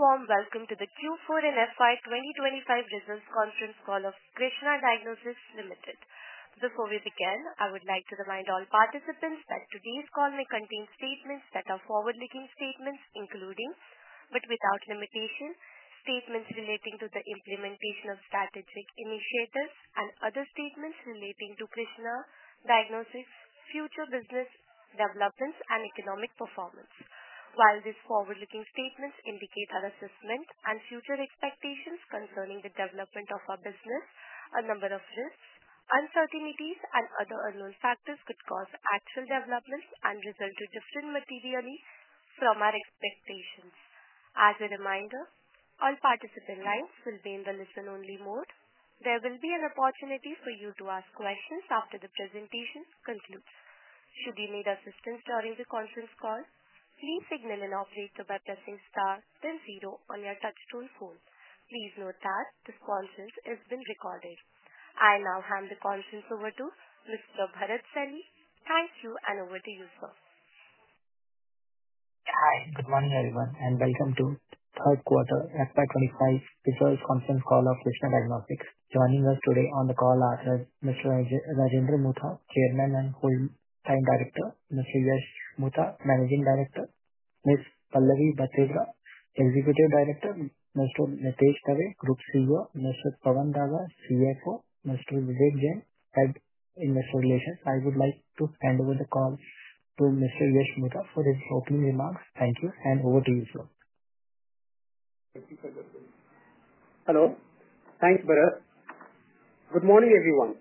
Before we begin, I would like to remind all participants that today's call may contain statements that are forward-looking statements, including, but without limitation, statements relating to the implementation of strategic initiatives and other statements relating to Krsnaa Diagnostics' future business developments and economic performance. While these forward-looking statements indicate our assessment and future expectations concerning the development of our business, a number of risks, uncertainties, and other unknown factors could cause actual developments and result different materially from our expectations. As a reminder, all participant lines will be in the listen-only mode. There will be an opportunity for you to ask questions after the presentation concludes. Should you need assistance during the conference call, please signal an operator by pressing star, then zero on your touch-tone phone. Please note that this conference has been recorded. I now hand the conference over to Mr. Bharat Celly. Thank you, and over to you, sir. Hi, good morning, everyone, and welcome to third quarter FY2025 Results Conference call of Krsnaa Diagnostics. Joining us today on the call are Mr. Rajendra Mutha, Chairman and Whole Time Director; Mr. Yash Mutha, Managing Director; Ms. Pallavi Bhatevara, Executive Director; Mr. Mitesh Dave, Group CEO; Mr. Pawan Daga, CFO; Mr. Vivek Jain, Head of Investor Relations. I would like to hand over the call to Mr. Yash Mutha for his opening remarks. Thank you, and over to you, sir. Hello. Thanks, Bharat. Good morning, everyone.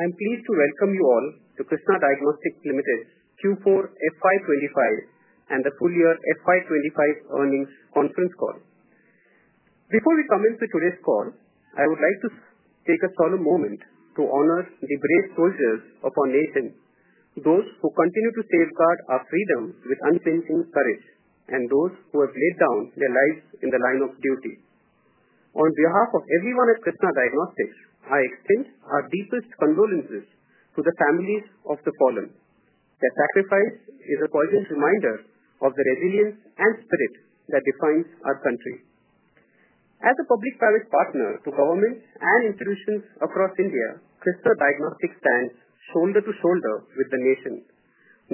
I'm pleased to welcome you all to Krsnaa Diagnostics Ltd. Q4 FY 2025 and the full year FY 2025 earnings conference call. Before we come into today's call, I would like to take a solemn moment to honor the brave soldiers of our nation, those who continue to safeguard our freedom with unflinching courage, and those who have laid down their lives in the line of duty. On behalf of everyone at Krsnaa Diagnostics, I extend our deepest condolences to the families of the fallen. Their sacrifice is a poignant reminder of the resilience and spirit that defines our country. As a public-private partner to governments and institutions across India, Krsnaa Diagnostics stands shoulder to shoulder with the nation,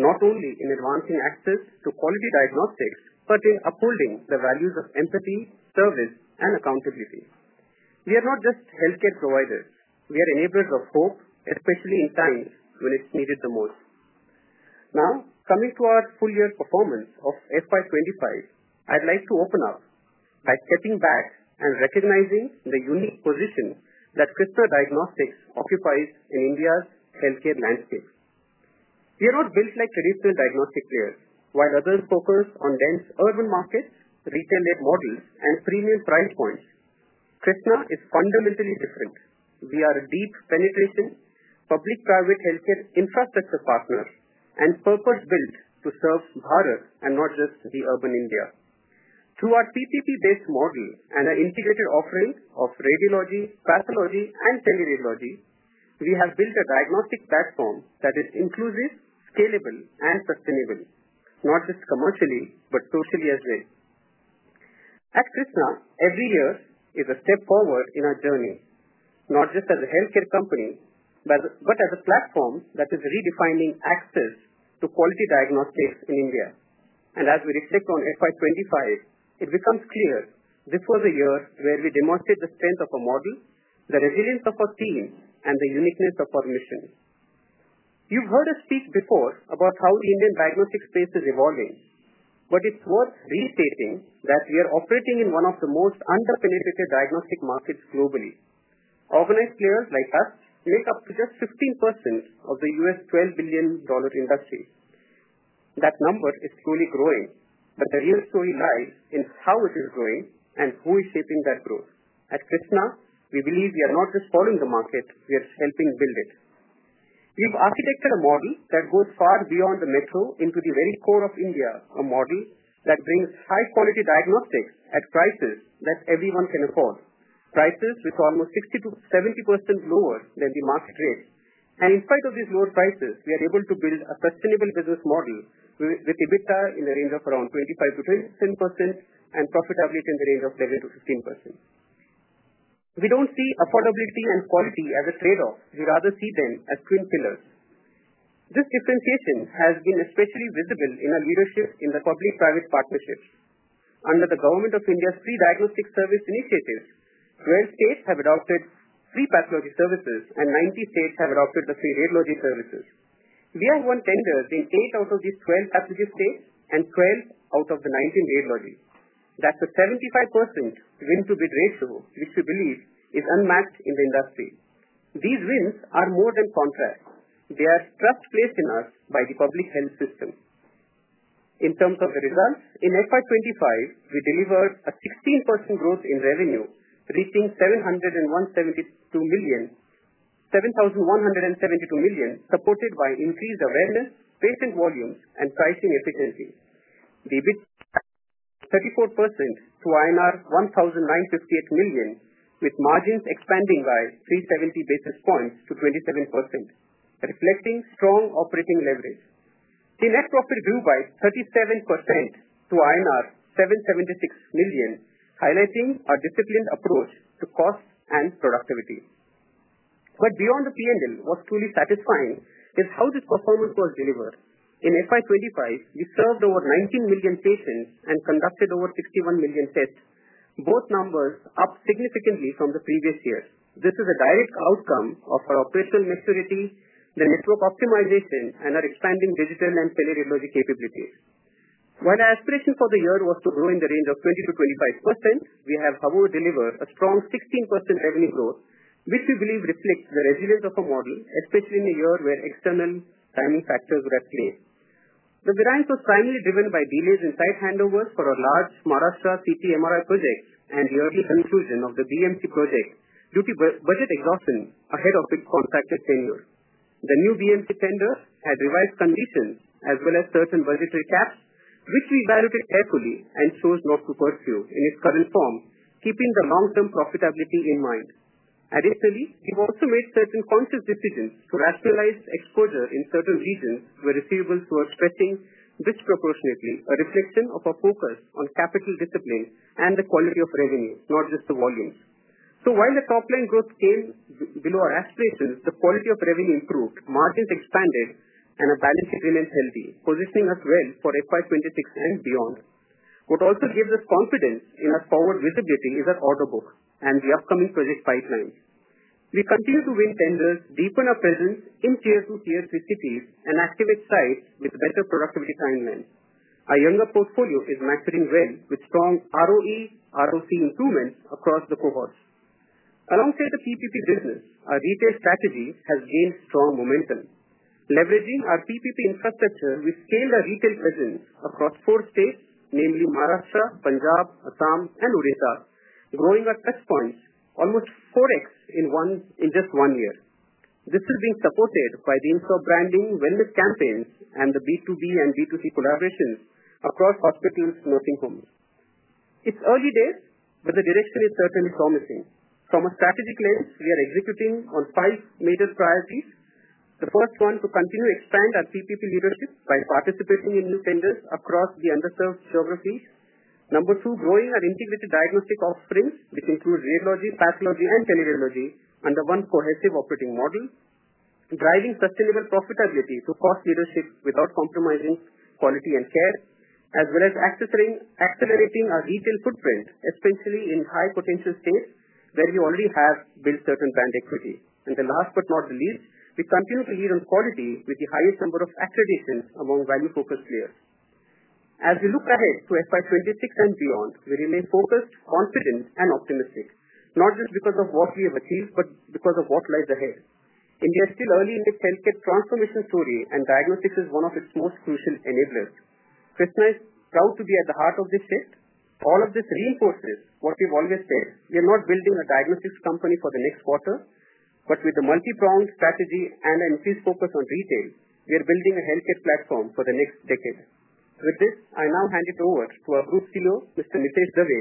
not only in advancing access to quality diagnostics, but in upholding the values of empathy, service, and accountability. We are not just healthcare providers; we are enablers of hope, especially in times when it's needed the most. Now, coming to our full year performance of FY 2025, I'd like to open up by stepping back and recognizing the unique position that Krsnaa Diagnostics occupies in India's healthcare landscape. We are not built like traditional diagnostic players. While others focus on dense urban markets, retail-led models, and premium price points, Krsnaa is fundamentally different. We are a deep-penetration public-private healthcare infrastructure partner and purpose-built to serve Bharat and not just the urban India. Through our PPP-based model and our integrated offering of radiology, pathology, and teleradiology, we have built a diagnostic platform that is inclusive, scalable, and sustainable, not just commercially, but socially as well. At Krsnaa, every year is a step forward in our journey, not just as a healthcare company, but as a platform that is redefining access to quality diagnostics in India. As we reflect on FY 2025, it becomes clear this was a year where we demonstrated the strength of our model, the resilience of our team, and the uniqueness of our mission. You've heard us speak before about how the Indian diagnostic space is evolving, but it's worth reiterating that we are operating in one of the most under-penetrated diagnostic markets globally. Organized players like us make up to just 15% of the U.S. $12 billion industry. That number is slowly growing, but the real story lies in how it is growing and who is shaping that growth. At Krsnaa, we believe we are not just following the market; we are helping build it. We've architected a model that goes far beyond the metro into the very core of India, a model that brings high-quality diagnostics at prices that everyone can afford, prices which are almost 60%-70% lower than the market rate. In spite of these lower prices, we are able to build a sustainable business model with EBITDA in the range of around 25%-27% and profitability in the range of 11%-15%. We don't see affordability and quality as a trade-off; we rather see them as twin pillars. This differentiation has been especially visible in our leadership in the public-private partnerships. Under the Government of India's Free Diagnostic Service Initiative, 12 states have adopted free pathology services, and 19 states have adopted the free radiology services. We have won tenders in eight out of these 12 pathology states and 12 out of the 19 radiology. That's a 75% win-to-bid ratio, which we believe is unmatched in the industry. These wins are more than contracts; they are trust placed in us by the public health system. In terms of the results, in FY 2025, we delivered a 16% growth in revenue, reaching 7,172 million, supported by increased awareness, patient volumes, and pricing efficiency. The EBITDA rose 34% to INR 1,958 million, with margins expanding by 370 basis points to 27%, reflecting strong operating leverage. The net profit grew by 37% to INR 776 million, highlighting our disciplined approach to cost and productivity. What is truly satisfying is how this performance was delivered. In FY 2025, we served over 19 million patients and conducted over 61 million tests, both numbers up significantly from the previous year. This is a direct outcome of our operational maturity, the network optimization, and our expanding digital and teleradiology capabilities. While our aspiration for the year was to grow in the range of 20%-25%, we have, however, delivered a strong 16% revenue growth, which we believe reflects the resilience of our model, especially in a year where external timing factors were at play. The growth was primarily driven by delays in site handovers for our large Maharashtra CT MRI project and the early conclusion of the BMC project due to budget exhaustion ahead of its contracted tenure. The new BMC tender had revised conditions as well as certain budgetary caps, which we evaluated carefully and chose not to pursue in its current form, keeping the long-term profitability in mind. Additionally, we've also made certain conscious decisions to rationalize exposure in certain regions where receivables were spreading disproportionately, a reflection of our focus on capital discipline and the quality of revenue, not just the volumes. While the top-line growth came below our aspirations, the quality of revenue improved, margins expanded, and our balance sheet remained healthy, positioning us well for FY 2026 and beyond. What also gives us confidence in our forward visibility is our order book and the upcoming project pipelines. We continue to win tenders, deepen our presence in tier-two and tier-three cities, and activate sites with better productivity timelines. Our younger portfolio is maturing well, with strong ROE and ROC improvements across the cohorts. Alongside the PPP business, our retail strategy has gained strong momentum. Leveraging our PPP infrastructure, we've scaled our retail presence across four states, namely Maharashtra, Punjab, Assam, and Odisha, growing our touchpoints almost 4X in just one year. This is being supported by the in-store branding, wellness campaigns, and the B2B and B2C collaborations across hospitals and nursing homes. It's early days, but the direction is certainly promising. From a strategic lens, we are executing on five major priorities. The first one, to continue to expand our PPP leadership by participating in new tenders across the underserved geographies. Number two, growing our integrated diagnostic offerings, which include radiology, pathology, and teleradiology under one cohesive operating model, driving sustainable profitability through cost leadership without compromising quality and care, as well as accelerating our retail footprint, especially in high-potential states where we already have built certain brand equity. The last but not the least, we continue to lead on quality with the highest number of accreditations among value-focused players. As we look ahead to FY 2026 and beyond, we remain focused, confident, and optimistic, not just because of what we have achieved, but because of what lies ahead. India is still early in its healthcare transformation story, and diagnostics is one of its most crucial enablers. Krsnaa is proud to be at the heart of this shift. All of this reinforces what we've always said: we are not building a diagnostics company for the next quarter, but with the multi-pronged strategy and an increased focus on retail, we are building a healthcare platform for the next decade. With this, I now hand it over to our Group CEO, Mr. Mitesh Dave,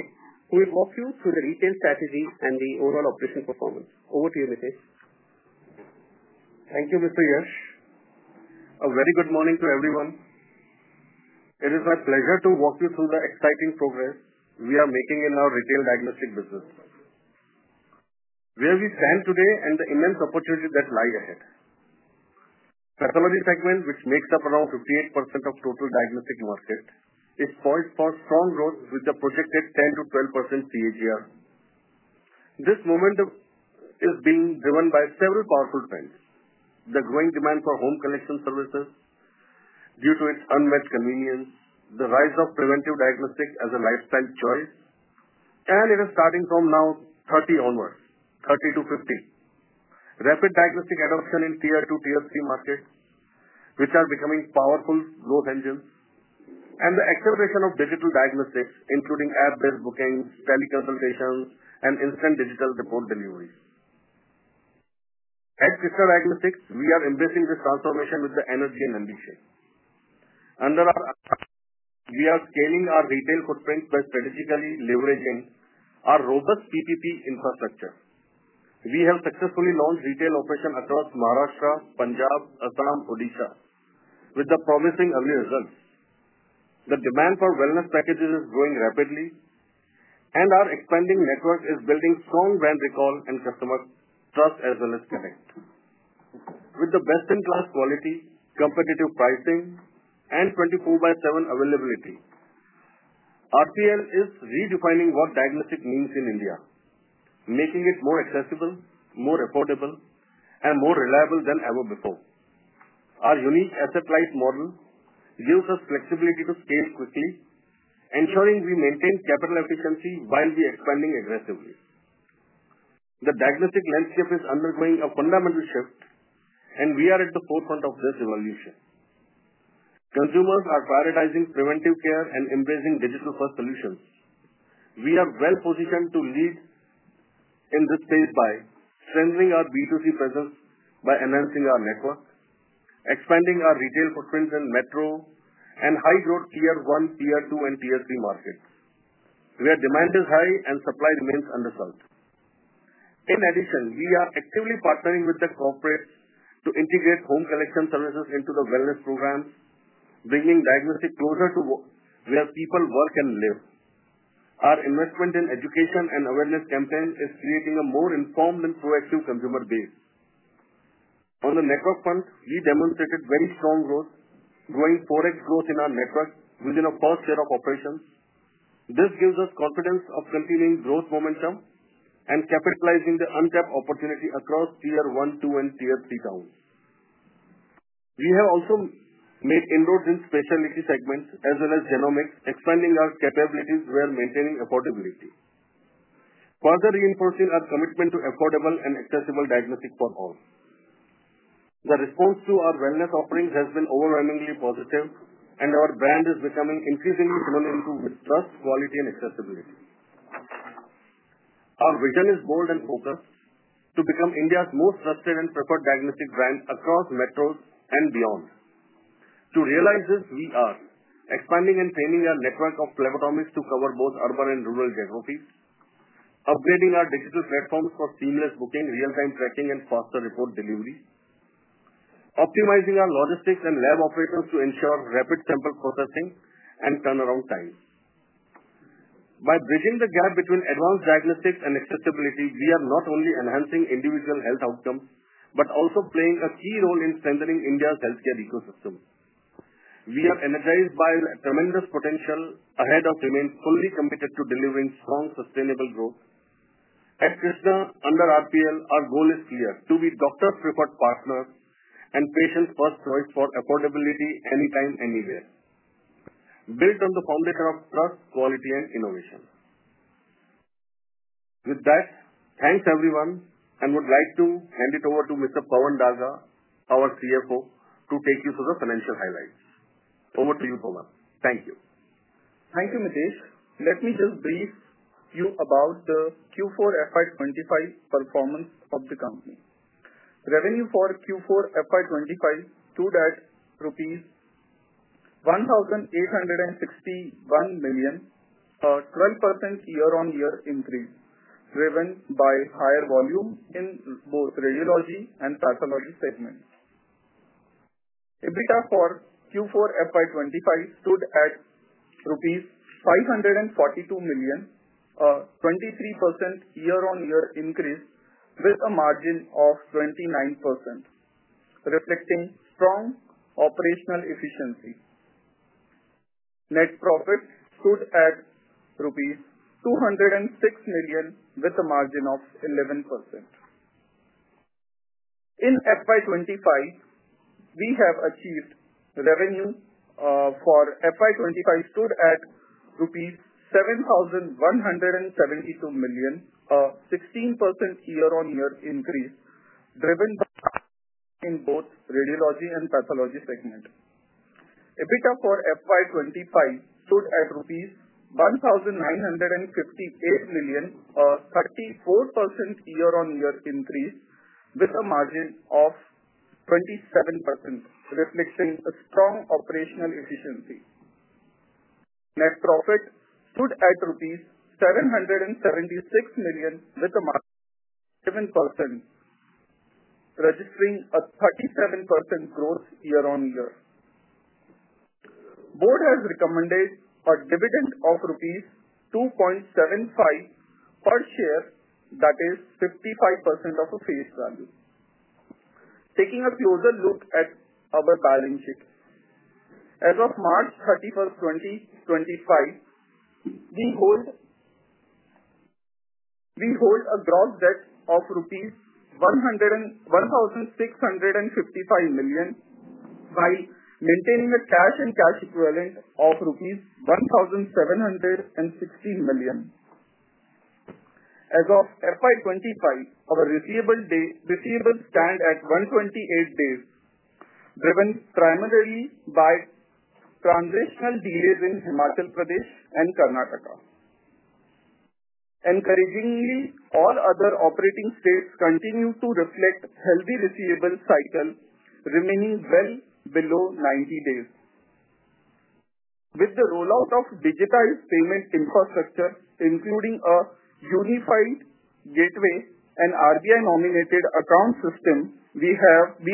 who will walk you through the retail strategy and the overall operational performance. Over to you, Mitesh. Thank you, Mr. Yash. A very good morning to everyone. It is my pleasure to walk you through the exciting progress we are making in our retail diagnostic business. Where we stand today and the immense opportunity that lies ahead. Pathology segment, which makes up around 58% of the total diagnostic market, is poised for strong growth with the projected 10%-12% CAGR. This momentum is being driven by several powerful trends: the growing demand for home collection services due to its unmatched convenience, the rise of preventive diagnostics as a lifestyle choice, and it is starting from now, 30 onwards, 30-50, rapid diagnostic adoption in tier-two and tier-three markets, which are becoming powerful growth engines, and the acceleration of digital diagnostics, including app-based bookings, teleconsultations, and instant digital report deliveries. At Krsnaa Diagnostics, we are embracing this transformation with the energy and ambition. Under our umbrella, we are scaling our retail footprint by strategically leveraging our robust PPP infrastructure. We have successfully launched retail operations across Maharashtra, Punjab, Assam, and Odisha, with the promising early results. The demand for wellness packages is growing rapidly, and our expanding network is building strong brand recall and customer trust as well as connect. With the best-in-class quality, competitive pricing, and 24/7 availability, RPL is redefining what diagnostics means in India, making it more accessible, more affordable, and more reliable than ever before. Our unique asset-light model gives us flexibility to scale quickly, ensuring we maintain capital efficiency while we are expanding aggressively. The diagnostic landscape is undergoing a fundamental shift, and we are at the forefront of this evolution. Consumers are prioritizing preventive care and embracing digital-first solutions. We are well-positioned to lead in this space by strengthening our B2C presence, by enhancing our network, expanding our retail footprints in metro and high-growth tier-one, tier-two, and tier-three markets where demand is high and supply remains undersold. In addition, we are actively partnering with the corporates to integrate home collection services into the wellness programs, bringing diagnostics closer to where people work and live. Our investment in education and awareness campaigns is creating a more informed and proactive consumer base. On the network front, we demonstrated very strong growth, growing 4X growth in our network within the first year of operations. This gives us confidence of continuing growth momentum and capitalizing the untapped opportunity across tier-one, tier-two, and tier-three towns. We have also made inroads in specialty segments as well as genomics, expanding our capabilities while maintaining affordability, further reinforcing our commitment to affordable and accessible diagnostics for all. The response to our wellness offerings has been overwhelmingly positive, and our brand is becoming increasingly synonymous with trust, quality, and accessibility. Our vision is bold and focused to become India's most trusted and preferred diagnostic brand across metros and beyond. To realize this, we are expanding and training our network of phlebotomists to cover both urban and rural geographies, upgrading our digital platforms for seamless booking, real-time tracking, and faster report delivery, optimizing our logistics and lab operations to ensure rapid sample processing and turnaround time. By bridging the gap between advanced diagnostics and accessibility, we are not only enhancing individual health outcomes but also playing a key role in strengthening India's healthcare ecosystem. We are energized by the tremendous potential ahead of remaining fully committed to delivering strong, sustainable growth. At Krsnaa, under RPL, our goal is clear: to be doctors' preferred partners and patients' first choice for affordability anytime, anywhere, built on the foundation of trust, quality, and innovation. With that, thanks everyone, and I would like to hand it over to Mr. Pawan Daga, our CFO, to take you through the financial highlights. Over to you, Pawan. Thank you. Thank you, Mitesh. Let me just brief you about the Q4 FY 2025 performance of the company. Revenue for Q4 FY 2025 stood at INR 1,861 million, a 12% year-on-year increase driven by higher volume in both radiology and pathology segments. EBITDA for Q4 FY 2025 stood at rupees 542 million, a 23% year-on-year increase with a margin of 29%, reflecting strong operational efficiency. Net profit stood at rupees 206 million, with a margin of 11%. In FY 2025, we have achieved revenue for FY 2025 stood at rupees 7,172 million, a 16% year-on-year increase driven by growth in both radiology and pathology segments. EBITDA for FY 2025 stood at rupees 1,958 million, a 34% year-on-year increase with a margin of 27%, reflecting strong operational efficiency. Net profit stood at rupees 776 million, with a margin of 11%, registering a 37% growth year-on-year. The board has recommended a dividend of rupees 2.75 per share, that is 55% of the face value. Taking a closer look at our balance sheet, as of March 31st, 2025, we hold a gross debt of rupees 1,655 million, while maintaining a cash and cash equivalent of rupees 1,760 million. As of FY 2025, our receivables stand at 128 days, driven primarily by transitional delays in Himachal Pradesh and Karnataka. Encouragingly, all other operating states continue to reflect a healthy receivables cycle, remaining well below 90 days. With the rollout of digitized payment infrastructure, including a unified gateway and RBI-nominated account system, we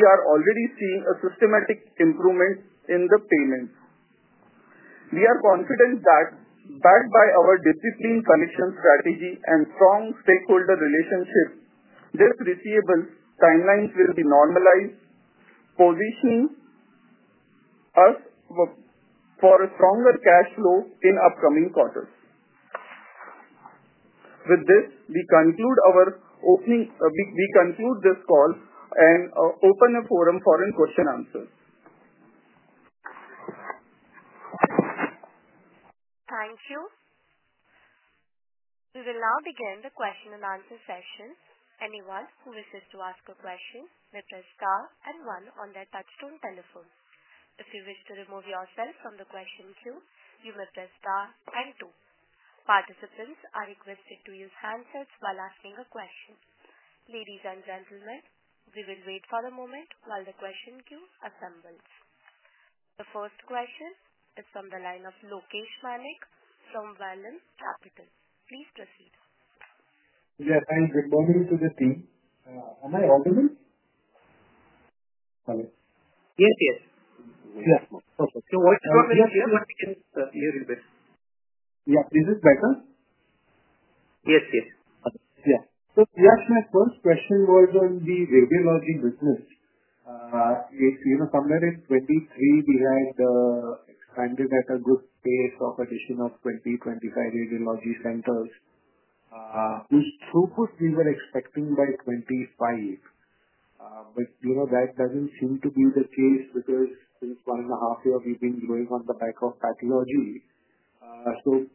are already seeing a systematic improvement in the payments. We are confident that, backed by our disciplined connection strategy and strong stakeholder relationships, these receivables' timelines will be normalized, positioning us for a stronger cash flow in upcoming quarters. With this, we conclude this call and open the forum for questions and answers. Thank you. We will now begin the question and answer session. Anyone who wishes to ask a question may press star and one on their touchscreen telephone. If you wish to remove yourself from the question queue, you may press star and two. Participants are requested to use handsets while asking a question. Ladies and gentlemen, we will wait for a moment while the question queue assembles. The first question is from the line of Lokesh Manik from Vallum Capital. Please proceed. Yes, and good morning to the team. Am I audible? Yes, yes. Yes, perfect. What's your question? Yes, you can hear me a bit. Yeah, this is better. Yes, yes. Yeah. Yash, my first question was on the radiology business. Somewhere in 2023, we had expanded at a good pace of addition of 20-25 radiology centers, whose throughput we were expecting by 2025. That does not seem to be the case because for one and a half years, we have been growing on the back of pathology.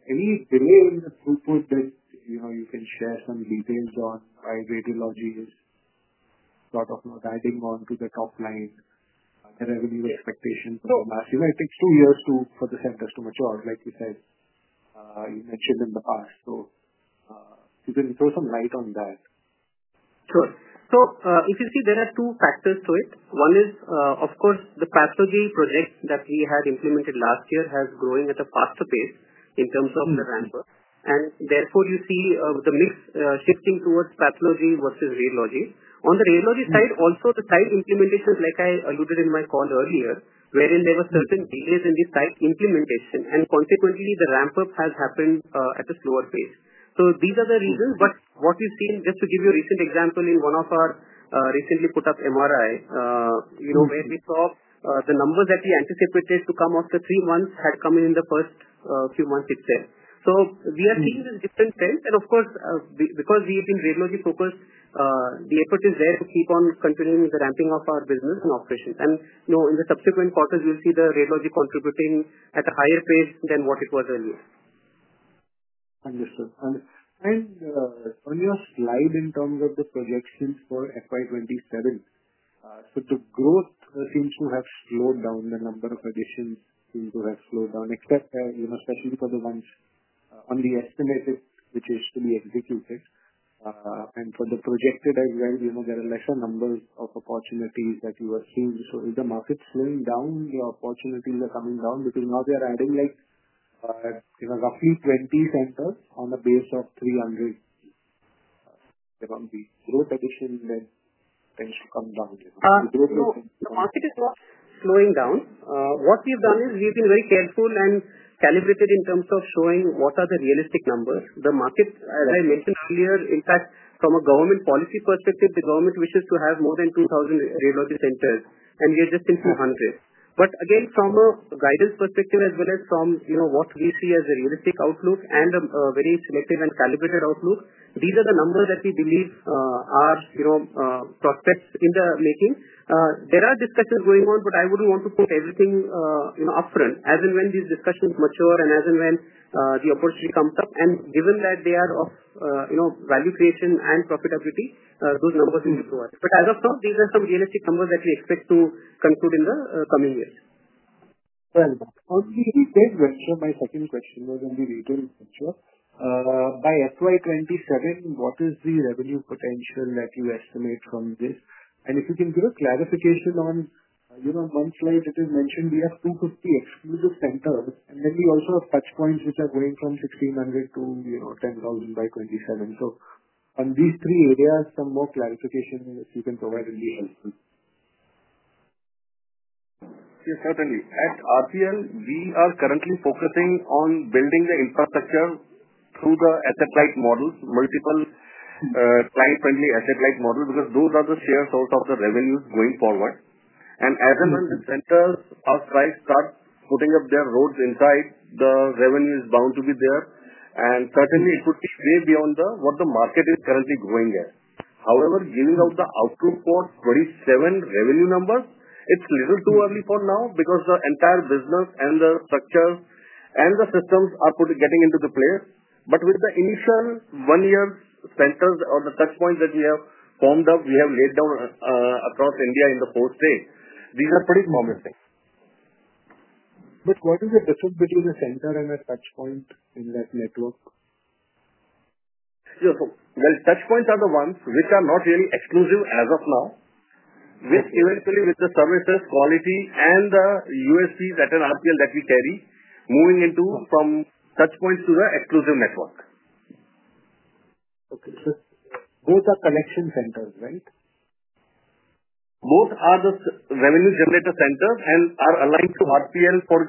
Any delay in the throughput that you can share some details on why radiology is sort of adding on to the top line revenue expectation for the last year? It takes two years for the centers to mature, like you said, you mentioned in the past. You can throw some light on that. Sure. If you see, there are two factors to it. One is, of course, the pathology project that we had implemented last year has been growing at a faster pace in terms of the ramp-up. Therefore, you see the mix shifting towards pathology versus radiology. On the radiology side, also, the site implementation, like I alluded to in my call earlier, wherein there were certain delays in the site implementation, and consequently, the ramp-up has happened at a slower pace. These are the reasons. What we've seen, just to give you a recent example, in one of our recently put up MRI, where we saw the numbers that we anticipated to come after three months had come in the first few months itself. We are seeing this different trend. Of course, because we have been radiology-focused, the effort is there to keep on continuing the ramping of our business and operations. In the subsequent quarters, we'll see the radiology contributing at a higher pace than what it was earlier. Understood. On your slide in terms of the projections for FY 2027, the growth seems to have slowed down. The number of additions seems to have slowed down, especially for the ones on the estimated, which is to be executed. For the projected as well, there are fewer numbers of opportunities that you are seeing. If the market is slowing down, the opportunities are coming down because now they are adding roughly 20 centers on a base of 300. The growth addition then tends to come down. The market is not slowing down. What we have done is we have been very careful and calibrated in terms of showing what are the realistic numbers. The market, as I mentioned earlier, in fact, from a government policy perspective, the government wishes to have more than 2,000 radiology centers, and we are just in 200. Again, from a guidance perspective as well as from what we see as a realistic outlook and a very selective and calibrated outlook, these are the numbers that we believe are prospects in the making. There are discussions going on, but I would not want to put everything upfront. As and when these discussions mature and as and when the opportunity comes up, and given that they are of value creation and profitability, those numbers will be provided. As of now, these are some realistic numbers that we expect to conclude in the coming years. On the heatwave venture, my second question was on the retail venture. By FY 2027, what is the revenue potential that you estimate from this? If you can give a clarification on one slide, it is mentioned we have 250 exclusive centers, and then we also have touchpoints which are going from 1,600-10,000 by 2027. On these three areas, some more clarification, if you can provide, would be helpful. Yes, certainly. At RPL, we are currently focusing on building the infrastructure through the asset-light models, multiple client-friendly asset-light models, because those are the sure source of the revenues going forward. As and when the centers are started putting up their roads inside, the revenue is bound to be there. It could be way beyond what the market is currently going at. However, giving out the outlook for 2027 revenue numbers, it's a little too early for now because the entire business and the structures and the systems are getting into the place. With the initial one-year centers or the touchpoints that we have formed up, we have laid down across India in the four states. These are pretty promising. What is the difference between a center and a touchpoint in that network? Yes. Touchpoints are the ones which are not really exclusive as of now, which eventually, with the services, quality, and the USPs at an RPL that we carry, moving into from touchpoints to the exclusive network. Okay. So both are connection centers, right? Both are the revenue-generator centers and are aligned to RPL for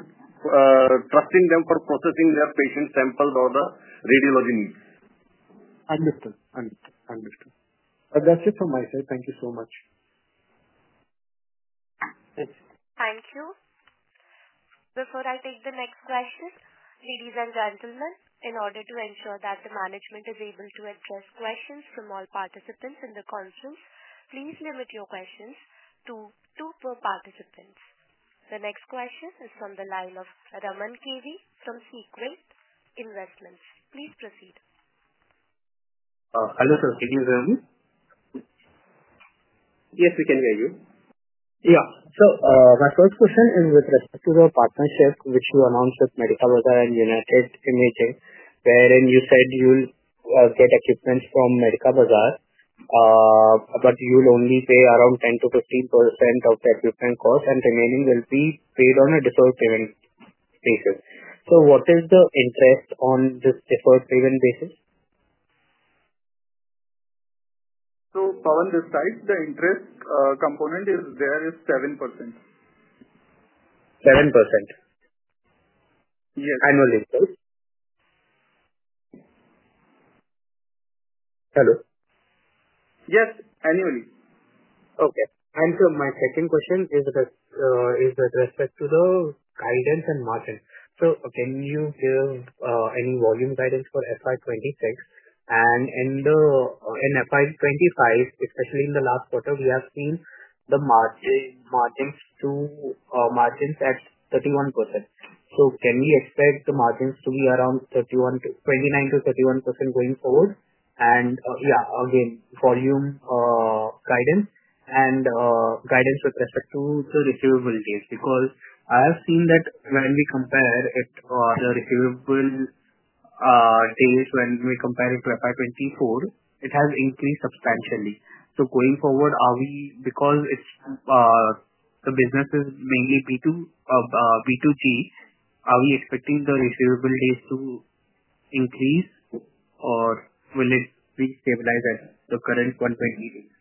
trusting them for processing their patient samples or the radiology needs. Understood. That's it from my side. Thank you so much. Thank you. Before I take the next question, ladies and gentlemen, in order to ensure that the management is able to address questions from all participants in the conference, please limit your questions to two per participant. The next question is from the line of Raman KV from Sequent Investments. Please proceed. Hello, sir. Can you hear me? Yes, we can hear you. Yeah. My first question is with respect to the partnership which you announced with MedicaBazaar and United Imaging, wherein you said you'll get equipment from MedicaBazaar, but you'll only pay around 10%-15% of the equipment cost, and the remaining will be paid on a deferred payment basis. What is the interest on this deferred payment basis? Pawan, besides the interest, the component there is seven percent. Seven percent. Yes. Annually, right? Hello? Yes, annually. Okay. My second question is with respect to the guidance and margin. Can you give any volume guidance for FY 2026? In FY 2025, especially in the last quarter, we have seen the margins at 31%. Can we expect the margins to be around 29%-31% going forward? Yeah, again, volume guidance and guidance with respect to the receivables because I have seen that when we compare it, the receivable days, when we compare it to FY 2024, it has increased substantially. Going forward, because the business is mainly B2G, are we expecting the receivables to increase, or will it be stabilized at the current 120 days?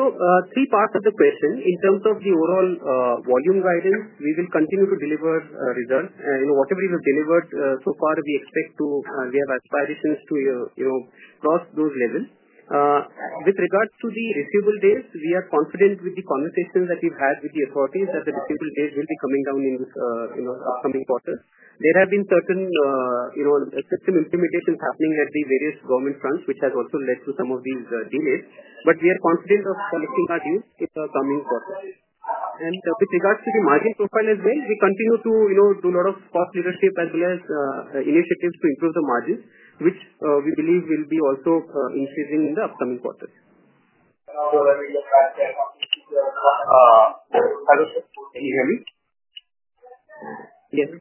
Three parts of the question. In terms of the overall volume guidance, we will continue to deliver results. Whatever we have delivered so far, we expect to have aspirations to cross those levels. With regards to the receivable dates, we are confident with the conversations that we've had with the authorities that the receivable dates will be coming down in the upcoming quarter. There have been certain system implementations happening at the various government fronts, which has also led to some of these delays. We are confident of collecting our deals in the coming quarter. With regards to the margin profile as well, we continue to do a lot of cost leadership as well as initiatives to improve the margins, which we believe will be also increasing in the upcoming quarter. Can you hear me? Yes.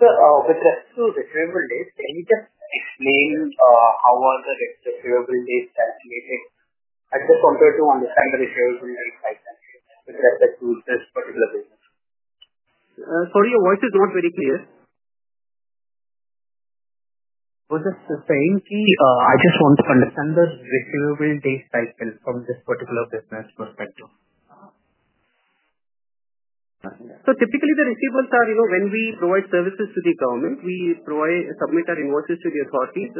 With respect to the receivable dates, can you just explain how the receivable dates are calculated? I just wanted to understand the receivable date cycle with respect to this particular business. Sorry, your voice is not very clear. I was just saying I just want to understand the receivable date cycle from this particular business perspective. Typically, the receivables are when we provide services to the government, we submit our invoices to the authorities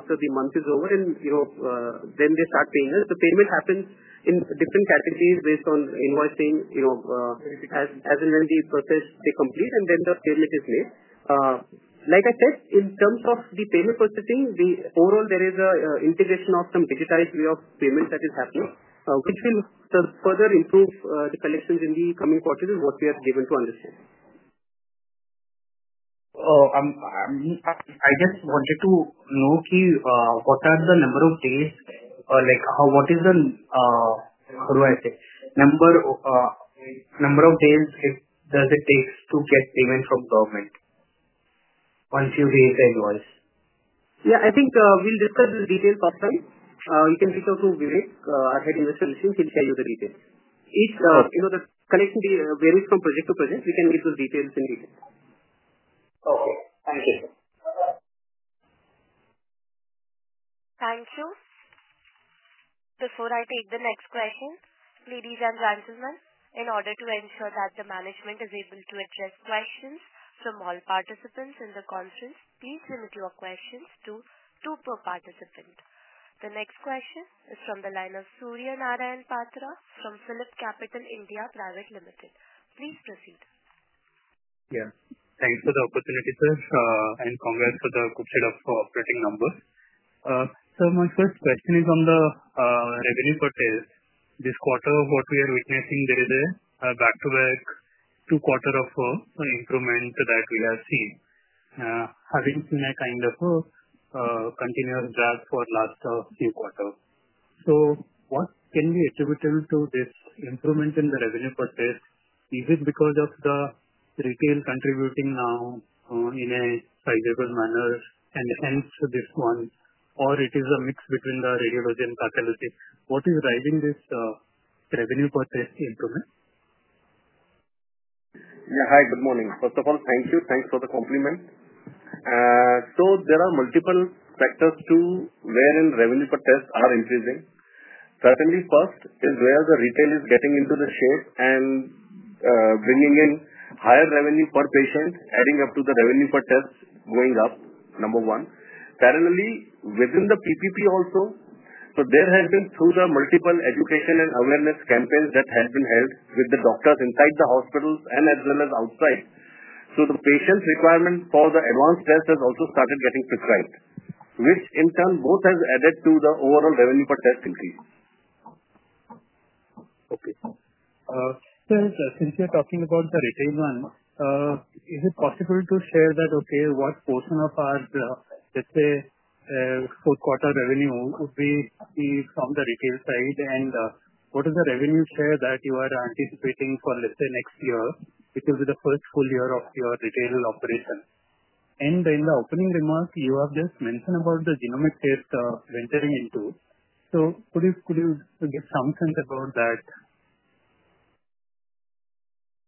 after the month is over, and then they start paying us. The payment happens in different categories based on invoicing, as and when the process they complete, and then the payment is made. Like I said, in terms of the payment processing, overall, there is an integration of some digitized way of payment that is happening, which will further improve the collections in the coming quarters is what we are given to understand. I just wanted to know, what are the number of days? What is the—how do I say? Number of days it takes to get payment from government once you receive the invoice? Yeah, I think we'll discuss the details offline. You can reach out to Vivek, our Head of Investor Relations. He'll share you the details. The collection varies from project to project. We can give you details in detail. Okay. Thank you. Thank you. Before I take the next question, ladies and gentlemen, in order to ensure that the management is able to address questions from all participants in the conference, please limit your questions to two per participant. The next question is from the line of Surya Narayan Patra from PhilipCapital (India) Pvt Ltd. Please proceed. Yeah. Thanks for the opportunity, sir, and congrats for the group set of operating numbers. My first question is on the revenue for this quarter. What we are witnessing, there is a back-to-back two-quarter of an improvement that we have seen, having seen a kind of continuous draft for the last few quarters. What can be attributable to this improvement in the revenue purchase? Is it because of the retail contributing now in a sizable manner and hence this one, or it is a mix between the radiology and pathology? What is driving this revenue purchase improvement? Yeah. Hi, good morning. First of all, thank you. Thanks for the compliment. There are multiple factors wherein revenue purchases are increasing. Certainly, first is where the retail is getting into the shape and bringing in higher revenue per patient, adding up to the revenue per test going up, number one. Parallelly, within the PPP also, there has been, through the multiple education and awareness campaigns that have been held with the doctors inside the hospitals and as well as outside. The patient's requirement for the advanced test has also started getting prescribed, which in turn both has added to the overall revenue per test increase. Okay. Since you're talking about the retail one, is it possible to share that, okay, what portion of our, let's say, fourth quarter revenue would be from the retail side, and what is the revenue share that you are anticipating for, let's say, next year, which will be the first full year of your retail operation? In the opening remark, you have just mentioned about the genomic test venturing into. Could you give some sense about that?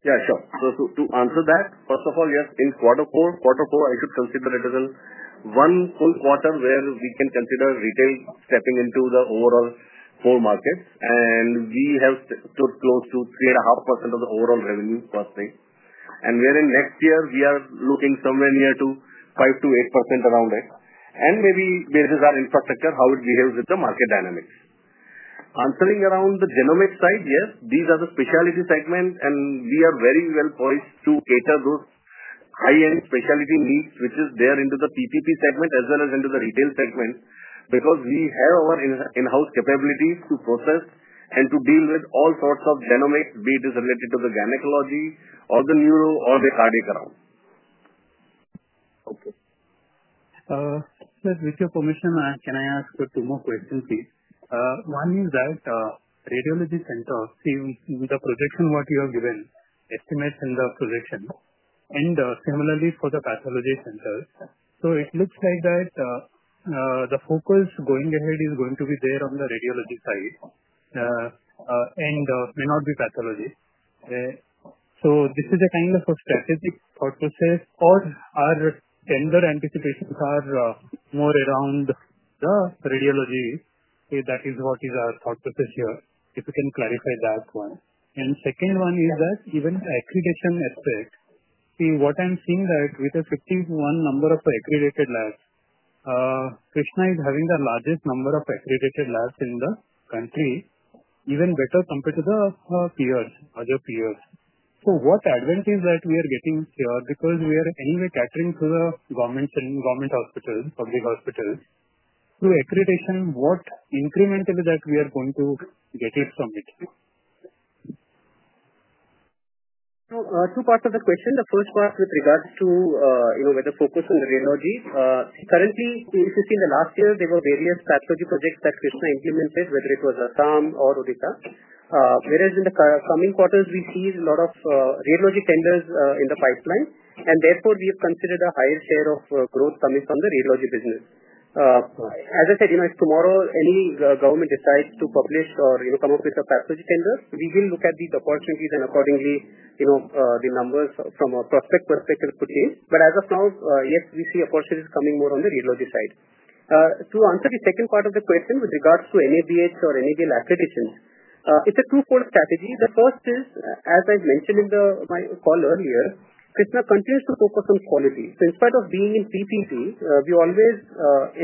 Yeah, sure. To answer that, first of all, yes, in quarter four, quarter four, I should consider it as one full quarter where we can consider retail stepping into the overall four markets, and we have stood close to three and a half percent of the overall revenue for the state. Next year, we are looking somewhere near to five to eight percent around it. Maybe this is our infrastructure, how it behaves with the market dynamics. Answering around the genomic side, yes, these are the specialty segments, and we are very well poised to cater to those high-end specialty needs, which is there into the PPP segment as well as into the retail segment because we have our in-house capabilities to process and to deal with all sorts of genomics, be it related to the gynecology or the neuro or the cardiac around. Okay. Sir, with your permission, can I ask two more questions, please? One is that radiology centers, see, the projection what you have given, estimates in the projection, and similarly for the pathology centers. It looks like that the focus going ahead is going to be there on the radiology side and may not be pathology. This is a kind of a strategic thought process, or our tender anticipations are more around the radiology. That is what is our thought process here, if you can clarify that one. The second one is that even accreditation aspect, see, what I'm seeing is that with the 51 number of accredited labs, Krsnaa is having the largest number of accredited labs in the country, even better compared to the peers, other peers. What advantage are we getting here because we are anyway catering to the government hospitals, public hospitals, through accreditation? What increment is it that we are going to get from it? Two parts of the question. The first part with regards to with the focus on radiology. Currently, if you see in the last year, there were various pathology projects that Krsnaa implemented, whether it was Assam or Odisha. Whereas in the coming quarters, we see a lot of radiology tenders in the pipeline, and therefore, we have considered a higher share of growth coming from the radiology business. As I said, tomorrow, any government decides to publish or come up with a pathology tender, we will look at these opportunities and accordingly, the numbers from a prospect perspective could change. As of now, yes, we see opportunities coming more on the radiology side. To answer the second part of the question with regards to NABH or NABL accreditations, it's a two-fold strategy. The first is, as I mentioned in my call earlier, Krsnaa continues to focus on quality. Instead of being in PPP, we always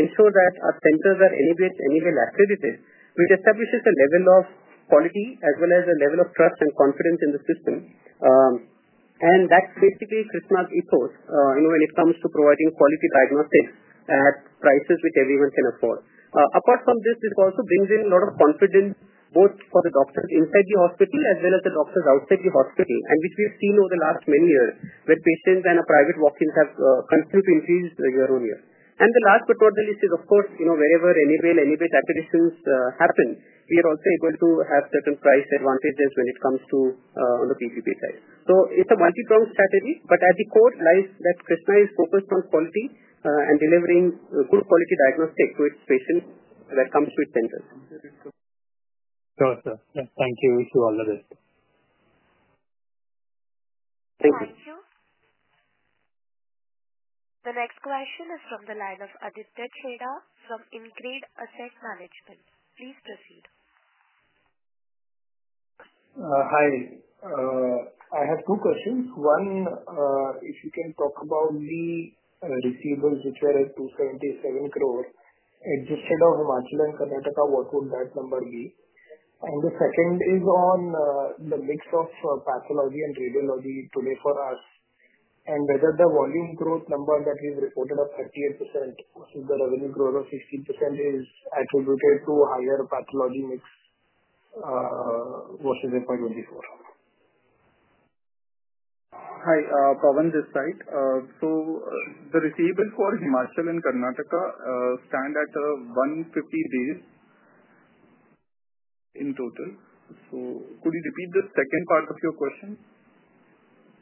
ensure that our centers are NABH, NABL accredited, which establishes a level of quality as well as a level of trust and confidence in the system. That is basically Krsnaa's ethos when it comes to providing quality diagnostics at prices which everyone can afford. Apart from this, this also brings in a lot of confidence both for the doctors inside the hospital as well as the doctors outside the hospital, which we have seen over the last many years where patients and private walk-ins have continued to increase year on year. The last but not the least is, of course, wherever NABH, NABL accreditations happen, we are also able to have certain price advantages when it comes to the PPP side. It's a multi-pronged strategy, but at the core lies that Krsnaa is focused on quality and delivering good quality diagnostics to its patients when it comes to its centers. Sure, sir. Thank you. Thank you. Thank you. The next question is from the line of Aditya Chheda from InCred Asset Management. Please proceed. Hi. I have two questions. One, if you can talk about the receivables which are at 2.77 billion, just in Himachal and Karnataka, what would that number be? The second is on the mix of pathology and radiology today for us, and whether the volume growth number that we've reported of 38% versus the revenue growth of 16% is attributed to a higher pathology mix versus FY 2024. Hi, Pawan this side. The receivables for Himachal and Karnataka stand at 150 days in total. Could you repeat the second part of your question?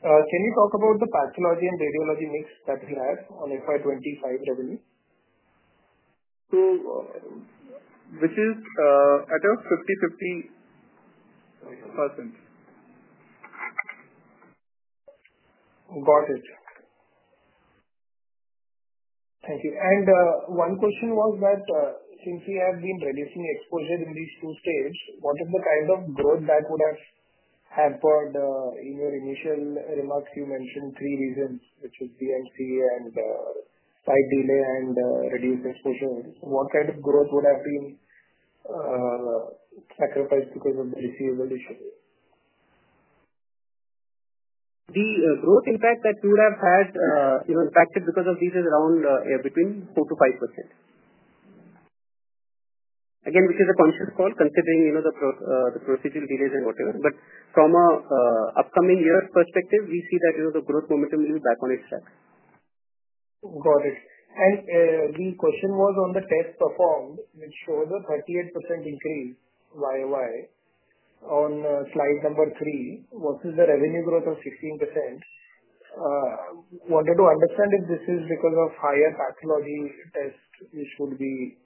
Can you talk about the pathology and radiology mix that we have on FY 2025 revenue? Which is at a 50%-50%. Got it. Thank you. One question was that since we have been reducing exposure in these two states, what is the kind of growth that would have happened? In your initial remarks, you mentioned three reasons, which is DMC and site delay and reduced exposure. What kind of growth would have been sacrificed because of the receivable issue? The growth impact that we would have had impacted because of these is around between four to five percent. Again, which is a conscious call considering the procedural delays and whatever. From an upcoming year perspective, we see that the growth momentum will be back on its track. Got it. The question was on the test performed, which shows a 38% increase year-over-year on slide number three versus the revenue growth of 16%. Wanted to understand if this is because of higher pathology test, which would be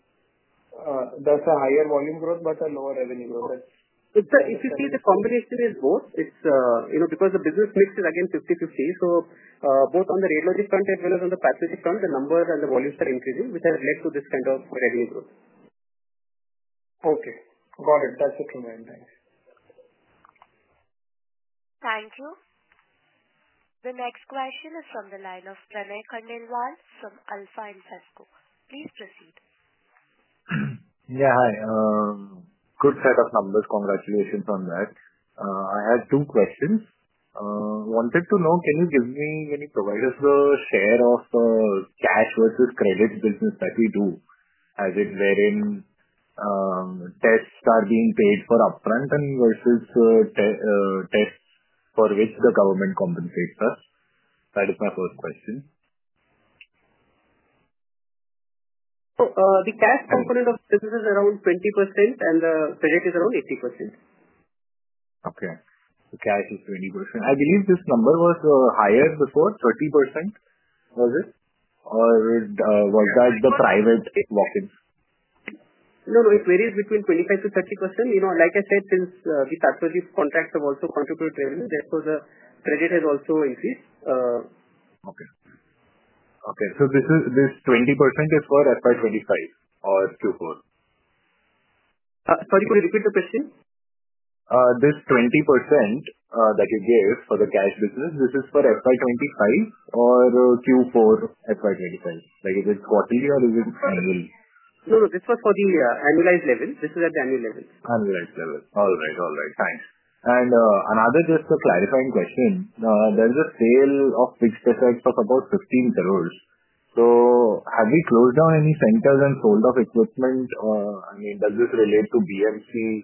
thus a higher volume growth but a lower revenue growth. If you see, the combination is both. It's because the business mix is again 50%-50%. So both on the radiology front as well as on the pathology front, the numbers and the volumes are increasing, which has led to this kind of revenue growth. Okay. Got it. That's it from my end. Thanks. Thank you. The next question is from the line of Pranay Khandelwal from Alpha Invesco. Please proceed. Yeah. Hi. Good set of numbers. Congratulations on that. I had two questions. Wanted to know, can you give me when you provide us the share of the cash versus credit business that we do, as in wherein tests are being paid for upfront and versus tests for which the government compensates us? That is my first question. The cash component of this is around 20%, and the credit is around 80%. Okay. The cash is 20%. I believe this number was higher before, 30%, was it? Or was that the private walk-ins? No, no. It varies between 25%-30%. Like I said, since the pathology contracts have also contributed revenue, therefore the credit has also increased. Okay. Okay. So this 20% is for FY 2025 or Q4? Sorry, could you repeat the question? This 20% that you gave for the cash business, this is for FY 2025 or Q4 FY25? Is it quarterly or is it annual? No, no. This was for the annualized level. This is at the annual level. Annualized level. All right. All right. Thanks. Another just clarifying question. There is a sale of fixed assets of about 15 crores. Have we closed down any centers and sold off equipment? I mean, does this relate to BMC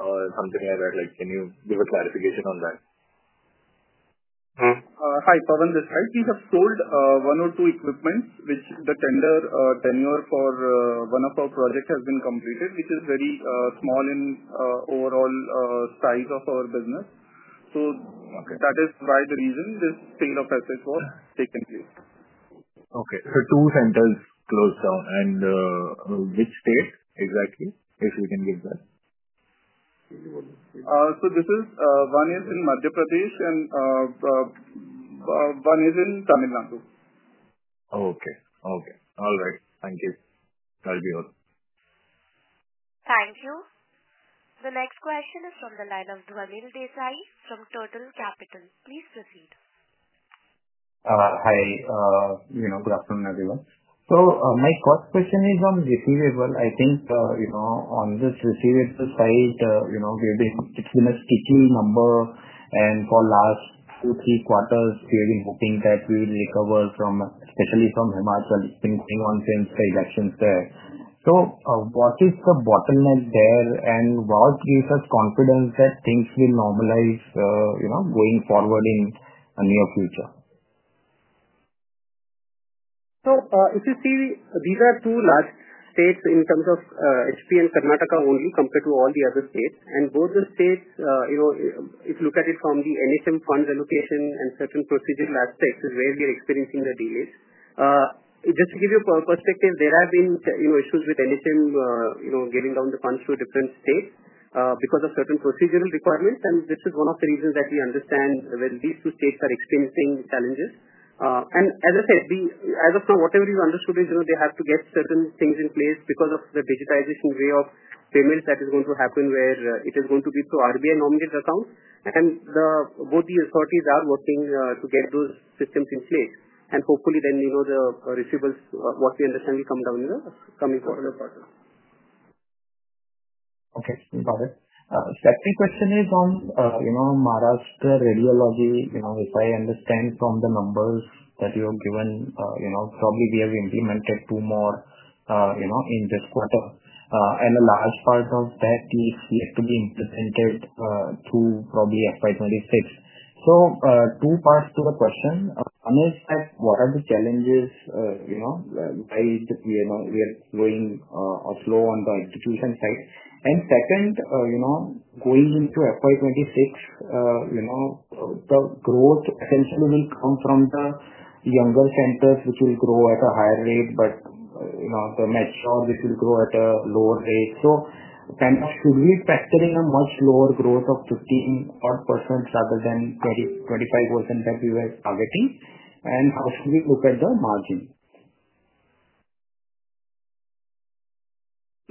or something I read? Can you give a clarification on that? Hi, Pawan this side. We have sold one or two equipments, which the tender tenure for one of our projects has been completed, which is very small in overall size of our business. That is why the reason this sale of effects was taken place. Okay. So two centers closed down. Which state exactly, if you can give that? One is in Madhya Pradesh and one is in Tamil Nadu. Okay. Okay. All right. Thank you. That'll be all. Thank you. The next question is from the line of Dhwanil Desai from Turtle Capital. Please proceed. Hi. Good afternoon, everyone. My first question is on receivable. I think on this receivable side, it's been a sticky number, and for the last two, three quarters, we've been hoping that we would recover from, especially from Himachal, it's been going on since the elections there. What is the bottleneck there, and what gives us confidence that things will normalize going forward in the near future? If you see, these are two large states in terms of HP and Karnataka only compared to all the other states. Both the states, if you look at it from the NHM fund allocation and certain procedural aspects, is where we are experiencing the delays. Just to give you a perspective, there have been issues with NHM giving down the funds to different states because of certain procedural requirements. This is one of the reasons that we understand where these two states are experiencing challenges. As I said, as of now, whatever you understood is they have to get certain things in place because of the digitization way of payments that is going to happen where it is going to be through RBI nominees' accounts. Both the authorities are working to get those systems in place. Hopefully, then the receivables, what we understand, will come down in the coming quarter. Okay. Got it. Second question is on Maharashtra radiology. If I understand from the numbers that you have given, probably we have implemented two more in this quarter. A large part of that is yet to be implemented through probably FY 2026. Two parts to the question. One is that what are the challenges why we are going slow on the execution side? Second, going into FY 2026, the growth essentially will come from the younger centers, which will grow at a higher rate, but the mature, which will grow at a lower rate. Kind of should we factor in a much lower growth of 15% rather than 25% that we were targeting? How should we look at the margin?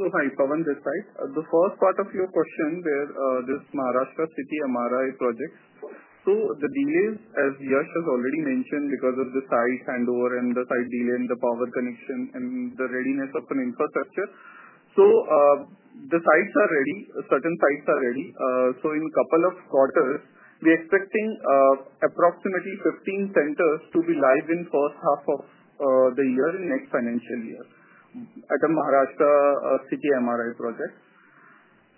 Hi, Pawan this side. The first part of your question, where this Maharashtra city MRI projects. The delays, as Yash has already mentioned, are because of the site handover and the site delay and the power connection and the readiness of infrastructure. The sites are ready. Certain sites are ready. In a couple of quarters, we are expecting approximately 15 centers to be live in the first half of the year in next financial year at a Maharashtra city MRI project.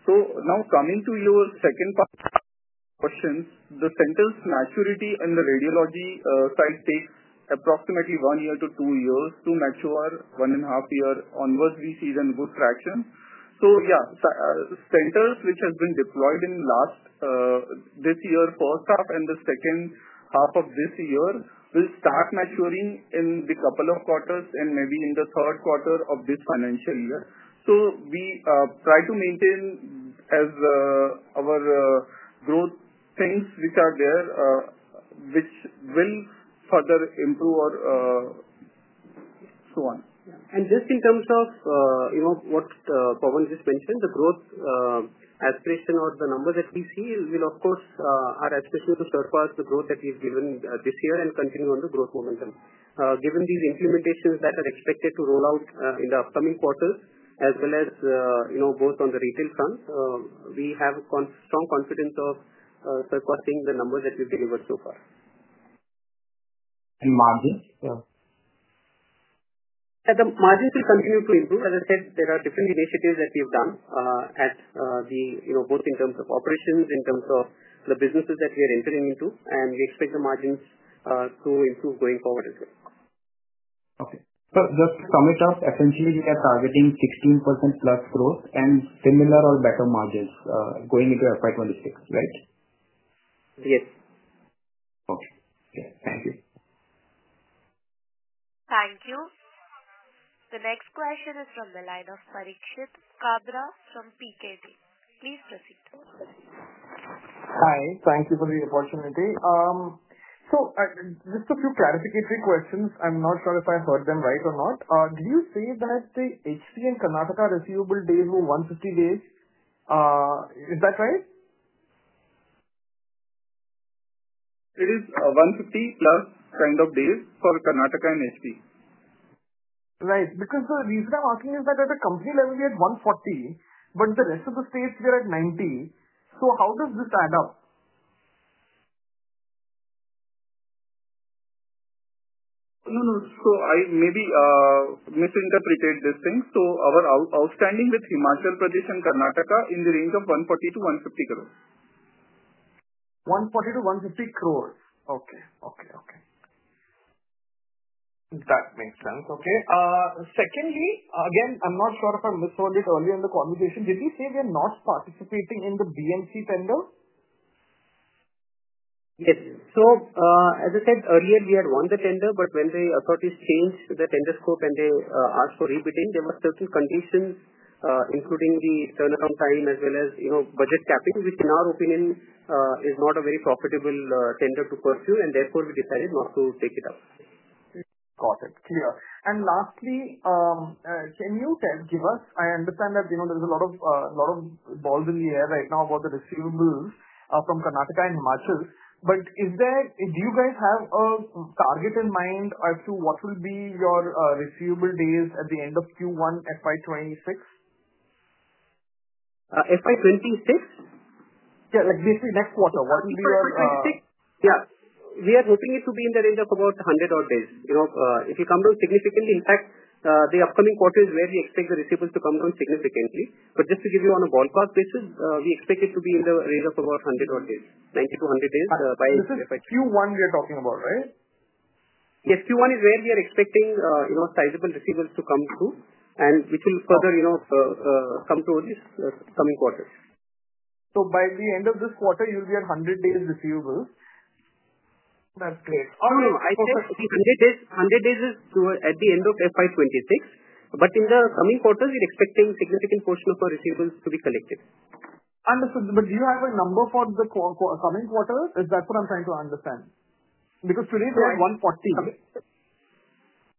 Now, coming to your second part of the questions, the center's maturity in the radiology side takes approximately one year to two years to mature. One and a half year onwards, we see it in good traction. Yeah, centers which have been deployed in the last this year, first half and the second half of this year will start maturing in a couple of quarters and maybe in the third quarter of this financial year. We try to maintain as our growth things which are there, which will further improve or so on. Just in terms of what Pawan just mentioned, the growth aspiration or the numbers that we see will, of course, our aspiration will surpass the growth that we've given this year and continue on the growth momentum. Given these implementations that are expected to roll out in the upcoming quarters, as well as both on the retail front, we have strong confidence of surpassing the numbers that we've delivered so far. And margins? The margins will continue to improve. As I said, there are different initiatives that we've done at both in terms of operations, in terms of the businesses that we are entering into. We expect the margins to improve going forward as well. Okay. So just to sum it up, essentially we are targeting 16%+ growth and similar or better margins going into FY 2026, right? Yes. Okay. Okay. Thank you. Thank you. The next question is from the line of Parikshit Kabra from Pkeday. Please proceed. Hi. Thank you for the opportunity. Just a few clarificatory questions. I'm not sure if I heard them right or not. Did you say that the HP and Karnataka receivable days were 150 days? Is that right? It is 150-plus kind of days for Karnataka and HP. Right. Because the reason I'm asking is that at the company level, we are at 140, but the rest of the states, we are at 90. So how does this add up? No, no. I maybe misinterpreted this thing. Our outstanding with Himachal Pradesh and Karnataka is in the range of 140 crore-150 crore. 140-150 crore. Okay. Okay. Okay. That makes sense. Okay. Secondly, again, I'm not sure if I misheard it earlier in the conversation. Did we say we are not participating in the BMC tender? Yes. As I said earlier, we had won the tender, but when the authorities changed the tender scope and they asked for rebidding, there were certain conditions, including the turnaround time as well as budget capping, which in our opinion is not a very profitable tender to pursue. Therefore, we decided not to take it up. Got it. Clear. Lastly, can you give us, I understand that there's a lot of balls in the air right now about the receivables from Karnataka and Himachal. Do you guys have a target in mind as to what will be your receivable days at the end of Q1 FY 2026? FY 2026? Yeah. Basically, next quarter, what will be your target? FY 2026? Yeah. We are hoping it to be in the range of about 100 odd days. If it comes down significantly, in fact, the upcoming quarter is where we expect the receivables to come down significantly. Just to give you on a ballpark basis, we expect it to be in the range of about 100 odd days, 90-100 days by FY 2026. Q1 we are talking about, right? Yes. Q1 is where we are expecting sizable receivables to come through, and which will further come through this coming quarter. By the end of this quarter, you'll be at 100 days receivables. That's great. No, no. I said 100 days is at the end of FY 2026. In the coming quarters, we're expecting a significant portion of our receivables to be collected. Understood. Do you have a number for the coming quarter? That's what I'm trying to understand. Because today it was 140.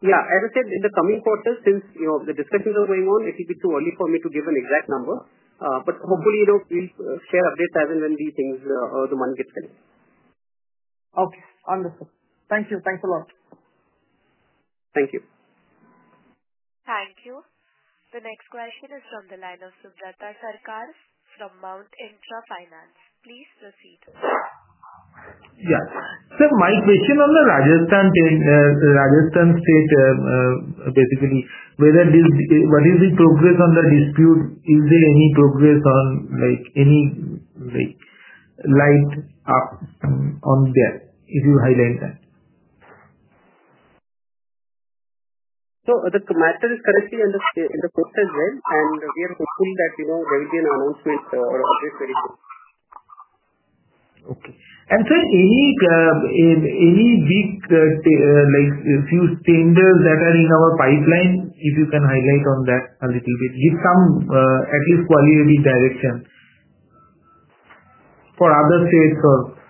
Yeah. As I said, in the coming quarter, since the discussions are going on, it will be too early for me to give an exact number. Hopefully, we'll share updates as and when the money gets ready. Okay. Understood. Thank you. Thanks a lot. Thank you. Thank you. The next question is from the line of Subrata Sarkar from Mount Intra Finance. Please proceed. Yes. My question on the Rajasthan state, basically, what is the progress on the dispute? Is there any progress or any light on that? If you could highlight that. The matter is currently under process as well, and we are hopeful that there will be an announcement or update very soon. Okay. Any big few tenders that are in our pipeline, if you can highlight on that a little bit, give some at least qualitative direction for other states or?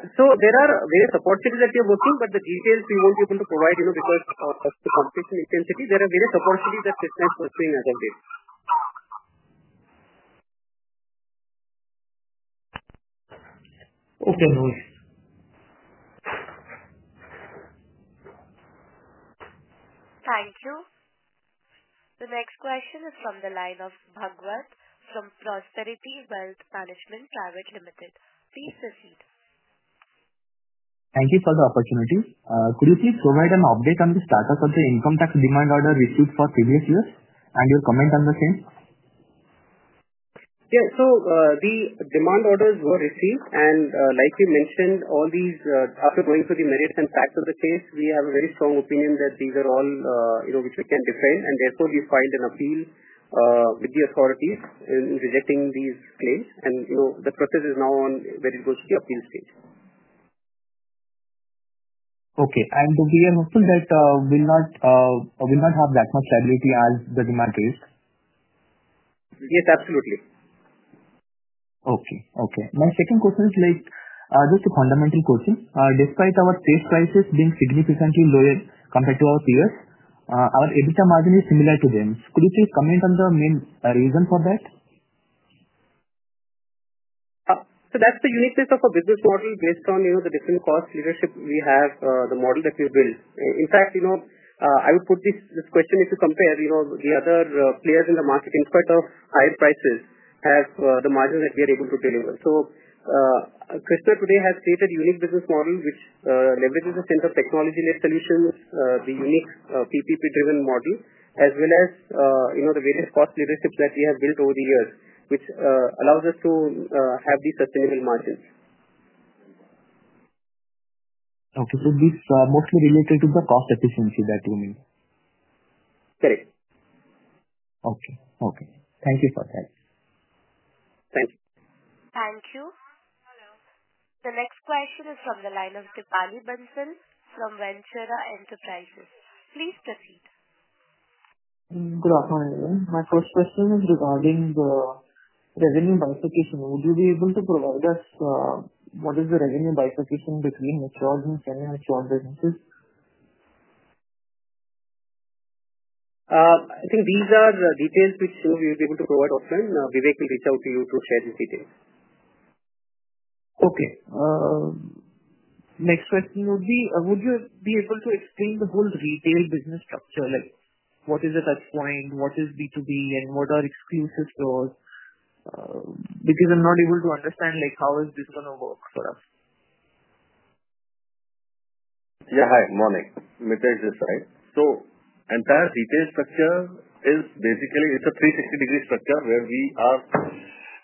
There are various opportunities that we are working, but the details we won't be able to provide because of the competition intensity. There are various opportunities that we are pursuing as of late. Okay. No worries. Thank you. The next question is from the line of Bhagwat from Prosperity Wealth Management Private Limited. Please proceed. Thank you for the opportunity. Could you please provide an update on the status of the income tax demand order received for previous years? Your comment on the same? Yeah. The demand orders were received. Like you mentioned, after going through the merits and facts of the case, we have a very strong opinion that these are all which we can defend. Therefore, we filed an appeal with the authorities in rejecting these claims. The process is now on where it goes to the appeal stage. Okay. We are hopeful that we will not have that much liability as the demand raised. Yes, absolutely. Okay. Okay. My second question is just a fundamental question. Despite our state prices being significantly lower compared to our peers, our EBITDA margin is similar to them. Could you please comment on the main reason for that? That's the uniqueness of our business model based on the different cost leadership we have, the model that we build. In fact, I would put this question if you compare the other players in the market, in spite of higher prices, have the margin that we are able to deliver. So Krsnaa today has created a unique business model which leverages a sense of technology-led solutions, the unique PPP-driven model, as well as the various cost leaderships that we have built over the years, which allows us to have these sustainable margins. Okay. So this is mostly related to the cost efficiency that you mean? Correct. Okay. Okay. Thank you for that. Thank you. Thank you. The next question is from the line of Deepali Bansal from Ventura Enterprises. Please proceed. Good afternoon. My first question is regarding the revenue bifurcation. Would you be able to provide us what is the revenue bifurcation between matured and semi-matured businesses? I think these are details which we will be able to provide offline. Vivek will reach out to you to share these details. Okay. Next question would be, would you be able to explain the whole retail business structure? What is the touchpoint? What is B2B? And what are exclusive stores? Because I'm not able to understand how is this going to work for us. Yeah. Hi. Morning. Mitesh is right. The entire retail structure is basically a 360-degree structure where we are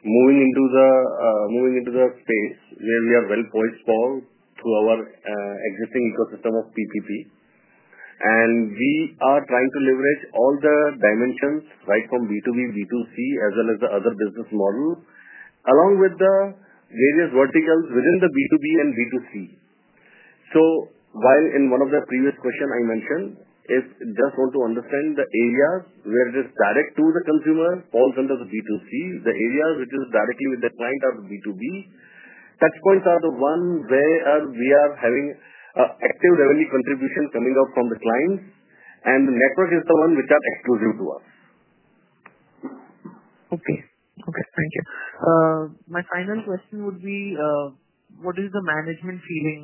moving into the space where we are well poised for growth through our existing ecosystem of PPP. We are trying to leverage all the dimensions, right from B2B, B2C, as well as the other business model, along with the various verticals within the B2B and B2C. While in one of the previous questions I mentioned, if you just want to understand, the areas where it is direct to the consumer fall under the B2C, the areas which are directly with the client are the B2B. Touchpoints are the ones where we are having active revenue contribution coming out from the clients. The network is the one which is exclusive to us. Okay. Okay. Thank you. My final question would be, what is the management feeling?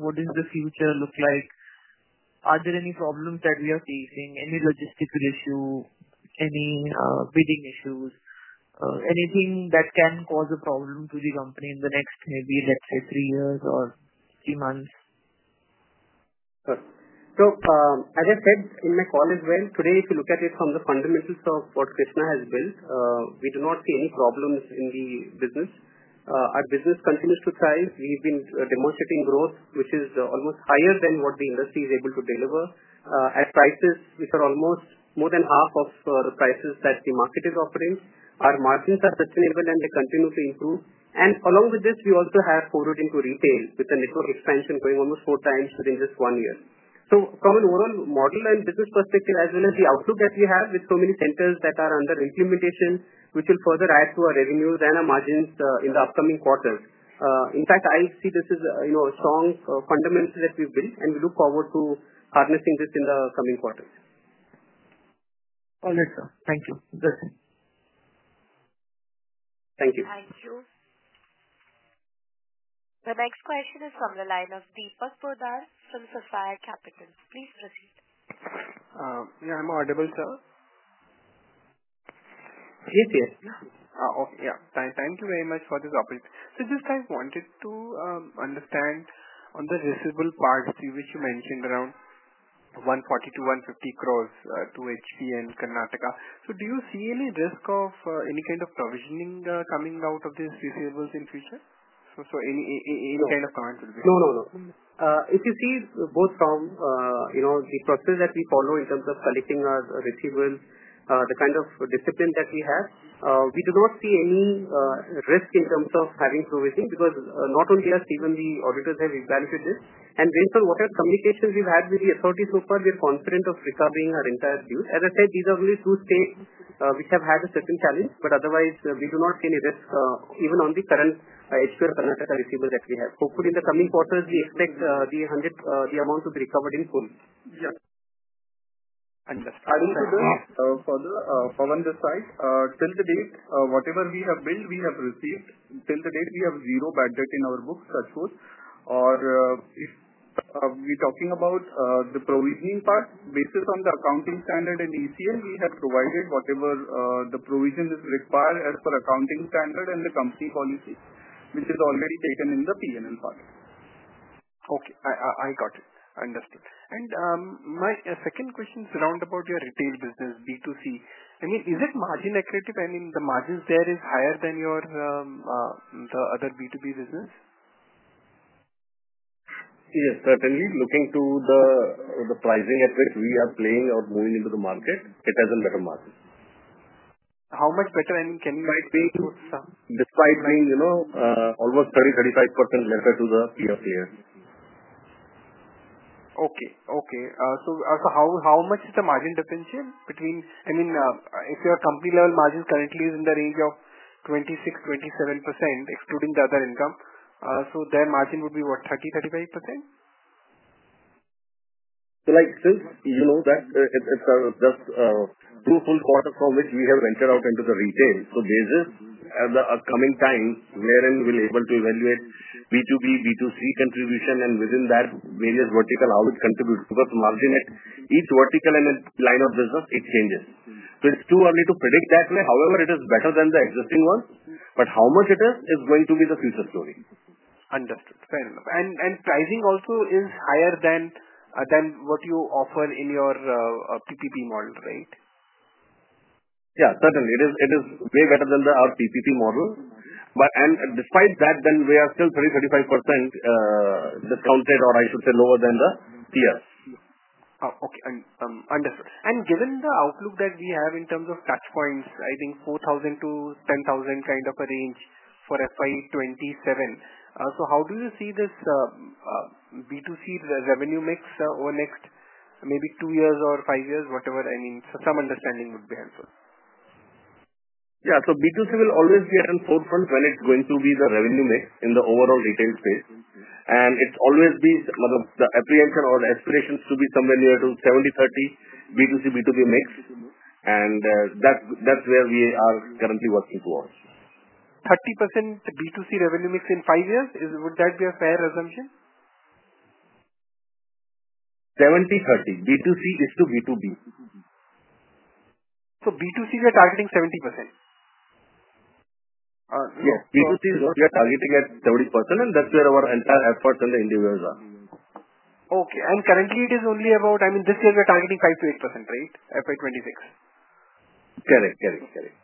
What does the future look like? Are there any problems that we are facing? Any logistical issue? Any bidding issues? Anything that can cause a problem to the company in the next maybe, let's say, three years or three months? Sure. As I said in my call as well, today, if you look at it from the fundamentals of what Krsnaa has built, we do not see any problems in the business. Our business continues to thrive. We've been demonstrating growth, which is almost higher than what the industry is able to deliver. Our prices, which are almost more than half of the prices that the market is offering, our margins are sustainable, and they continue to improve. Along with this, we also have forward into retail with the network expansion going almost four times within just one year. From an overall model and business perspective, as well as the outlook that we have with so many centers that are under implementation, which will further add to our revenues and our margins in the upcoming quarters. In fact, I see this as a strong fundamental that we've built, and we look forward to harnessing this in the coming quarters. All right, sir. Thank you. Thank you. Thank you. The next question is from the line of Deepak Poddar from Sapphire Capital. Please proceed. Yeah. Am I audible, sir? Yes, yes. Okay. Yeah. Thank you very much for this opportunity. I just wanted to understand on the receivable part, which you mentioned around 140-150 crore to HP and Karnataka. Do you see any risk of any kind of provisioning coming out of these receivables in future? Any kind of comment would be fine. No, no, no. If you see both from the process that we follow in terms of collecting our receivables, the kind of discipline that we have, we do not see any risk in terms of having provision because not only us, even the auditors have evaluated this. Based on whatever communications we have had with the authorities so far, we are confident of recovering our entire due. As I said, these are only two states which have had a certain challenge. Otherwise, we do not see any risk even on the current Himachal Pradesh and Karnataka receivables that we have. Hopefully, in the coming quarters, we expect the amount to be recovered in full. Yes. Understood. I would say that for the Pawan side, till the date, whatever we have built, we have received. Till the date, we have zero bad debt in our books, such was. If we're talking about the provisioning part, based on the accounting standard and ECM, we have provided whatever the provision is required as per accounting standard and the company policy, which is already taken in the P&L part. Okay. I got it. Understood. My second question is around about your retail business, B2C. I mean, is it margin accurate? I mean, the margins there are higher than the other B2B business? Yes. Certainly. Looking to the pricing at which we are playing or moving into the market, it has a better margin. How much better? I mean, can you say? Despite being almost 30%-35% better to the peer player. Okay. Okay. So how much is the margin differential between? I mean, if your company-level margin currently is in the range of 26%-27%, excluding the other income, so their margin would be what, 30%-35%? Since you know that it's just two full quarters from which we have ventured out into the retail, there is a coming time wherein we'll be able to evaluate B2B, B2C contribution, and within that, various vertical how it contributes because margin at each vertical and line of business, it changes. It's too early to predict that way. However, it is better than the existing one. How much it is, is going to be the future story. Understood. Fair enough. Pricing also is higher than what you offer in your PPP model, right? Yeah. Certainly. It is way better than our PPP model. Despite that, we are still 30%-35% discounted, or I should say lower than the peers. Okay. Understood. Given the outlook that we have in terms of touchpoints, I think 4,000-10,000 kind of a range for FY 2027. How do you see this B2C revenue mix over next maybe two years or five years, whatever? I mean, some understanding would be helpful. Yeah. B2C will always be around four percent when it's going to be the revenue mix in the overall retail space. It's always the apprehension or aspiration is to be somewhere near to 70%-30% B2C, B2B mix. That's where we are currently working towards. 30% B2C revenue mix in five years? Would that be a fair assumption? 70%, 30%. B2C is to B2B. B2C, we are targeting 70%? Yes. B2C, we are targeting at 30%. That is where our entire efforts and the individuals are. Okay. Currently, it is only about, I mean, this year, we are targeting five to eight percent, right? FY 2026. Correct. Correct. Correct.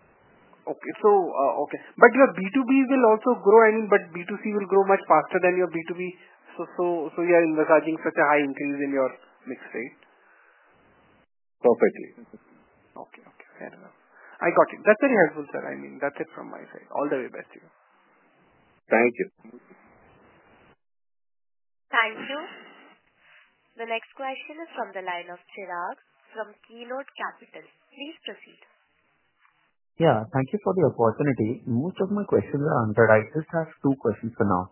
Okay. Okay. But your B2B will also grow. I mean, but B2C will grow much faster than your B2B. So you are envisaging such a high increase in your mix rate. Perfectly. Okay. Okay. Fair enough. I got it. That's very helpful, sir. I mean, that's it from my side. All the very best to you. Thank you. Thank you. The next question is from the line of Chirag from Keynote Capitals. Please proceed. Yeah. Thank you for the opportunity. Most of my questions are answered. I just have two questions for now.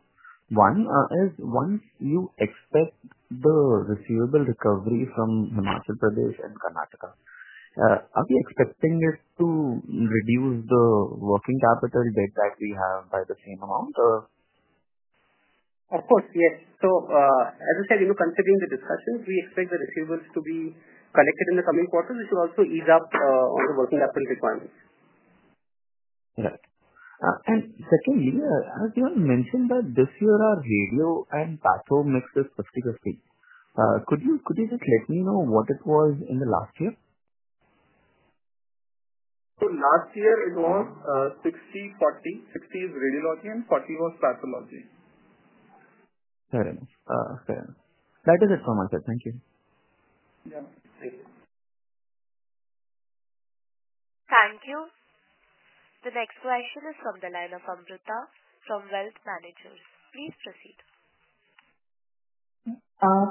One is, once you expect the receivable recovery from the Madhya Pradesh and Karnataka, are we expecting it to reduce the working capital debt that we have by the same amount, or? Of course. Yes. As I said, considering the discussions, we expect the receivables to be collected in the coming quarters, which will also ease up on the working capital requirements. Right. Secondly, as you mentioned that this year, our radio and pathology mix is 50/50. Could you just let me know what it was in the last year? Last year, it was 60/40. 60 is radiology, and 40 was pathology. Fair enough. Fair enough. That is it from my side. Thank you. Yeah. Thank you. Thank you. The next question is from the line of Amrita from Wealth Managers. Please proceed.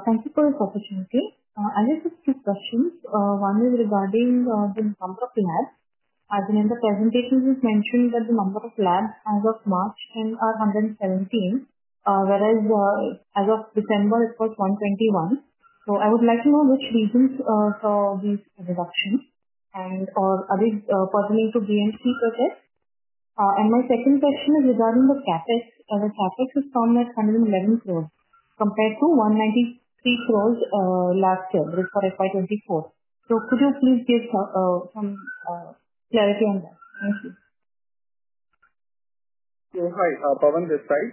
Thank you for this opportunity. I just have two questions. One is regarding the number of labs. As in, in the presentation, it was mentioned that the number of labs as of March are 117, whereas as of December, it was 121. I would like to know which reasons for these reductions and/or are they pertaining to BMC projects? My second question is regarding the CapEx. The CapEx is somewhere at 111 crore compared to 193 crore last year, which is for FY 2024. Could you please give some clarity on that? Thank you. Hi. Pawan this side.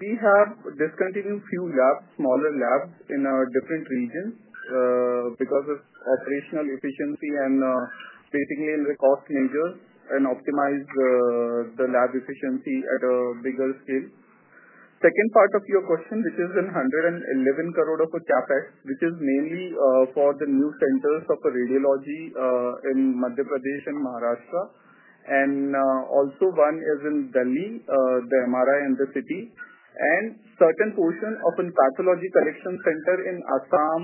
We have discontinued a few labs, smaller labs in different regions because of operational efficiency and basically in the cost measures and optimize the lab efficiency at a bigger scale. The second part of your question, which is in INR 111 crore of the CapEx, is mainly for the new centers of radiology in Madhya Pradesh and Maharashtra. Also, one is in Delhi, the MRI in the city, and a certain portion of a pathology collection center in Assam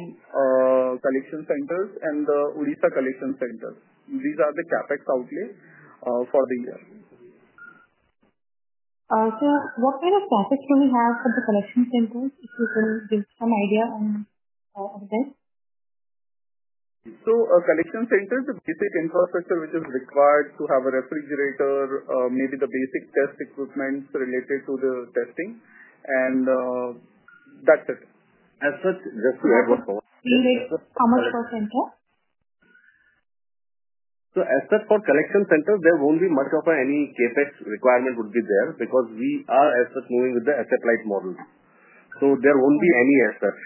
collection centers and the Odisha collection centers. These are the CapEx outlay for the year. What kind of CapEx do we have for the collection centers? If you can give some idea on this. Collection centers, the basic infrastructure which is required to have a refrigerator, maybe the basic test equipment related to the testing. And that's it. As such, just to add one more. How much per center? As such for collection centers, there will not be much of any CapEx requirement because we are as such moving with the asset-light model. There will not be any as such.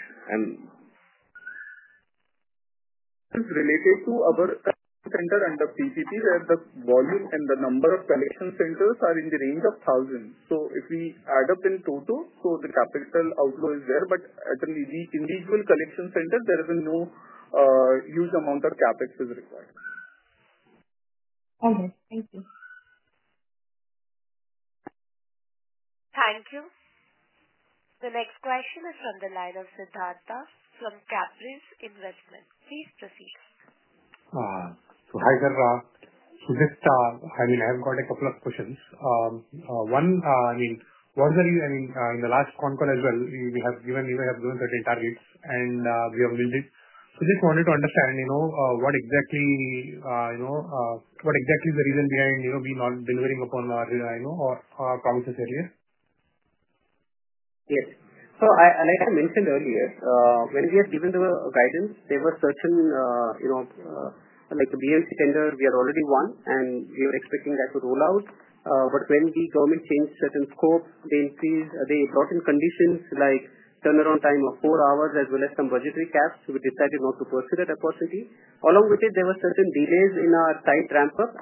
Related to our collection center under PPP, the volume and the number of collection centers are in the range of thousands. If we add up in total, the capital outlay is there, but at the individual collection center, there is no huge amount of CapEx required. All right. Thank you. Thank you. The next question is from the line of Siddhartha from Caprize Investments. Please proceed. Hi there. I have got a couple of questions. One, I mean, what was the reason, I mean, in the last con call as well, we have given certain targets and we have built it. I just wanted to understand what exactly is the reason behind not delivering upon our promises earlier? Yes. Like I mentioned earlier, when we had given the guidance, there were certain, like the BMC tender, we had already won, and we were expecting that to roll out. When the government changed certain scopes, they brought in conditions like turnaround time of four hours as well as some budgetary caps, so we decided not to pursue that opportunity. Along with it, there were certain delays in our tight ramp-up.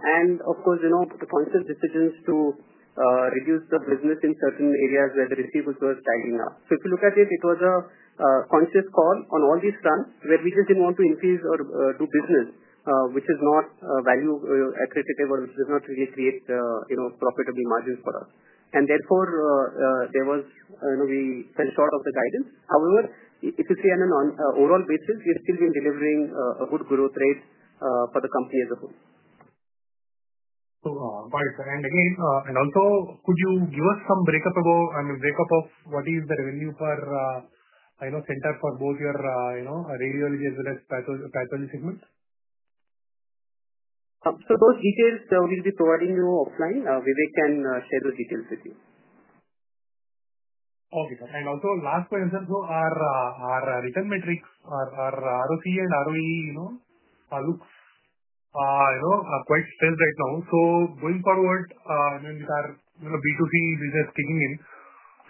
Of course, the conscious decisions to reduce the business in certain areas where the receivables were tightening up. If you look at it, it was a conscious call on all these fronts where we just did not want to increase or do business, which is not value-accretive or which does not really create profitable margins for us. Therefore, we fell short of the guidance. However, if you see on an overall basis, we have still been delivering a good growth rate for the company as a whole. What is that? And also, could you give us some breakup about, I mean, breakup of what is the revenue per center for both your radiology as well as pathology segment? Those details, we'll be providing you offline. Vivek can share those details with you. Okay. Also, last point, sir, our return metrics, our ROC and ROE look quite stealth right now. Going forward, I mean, with our B2C business kicking in,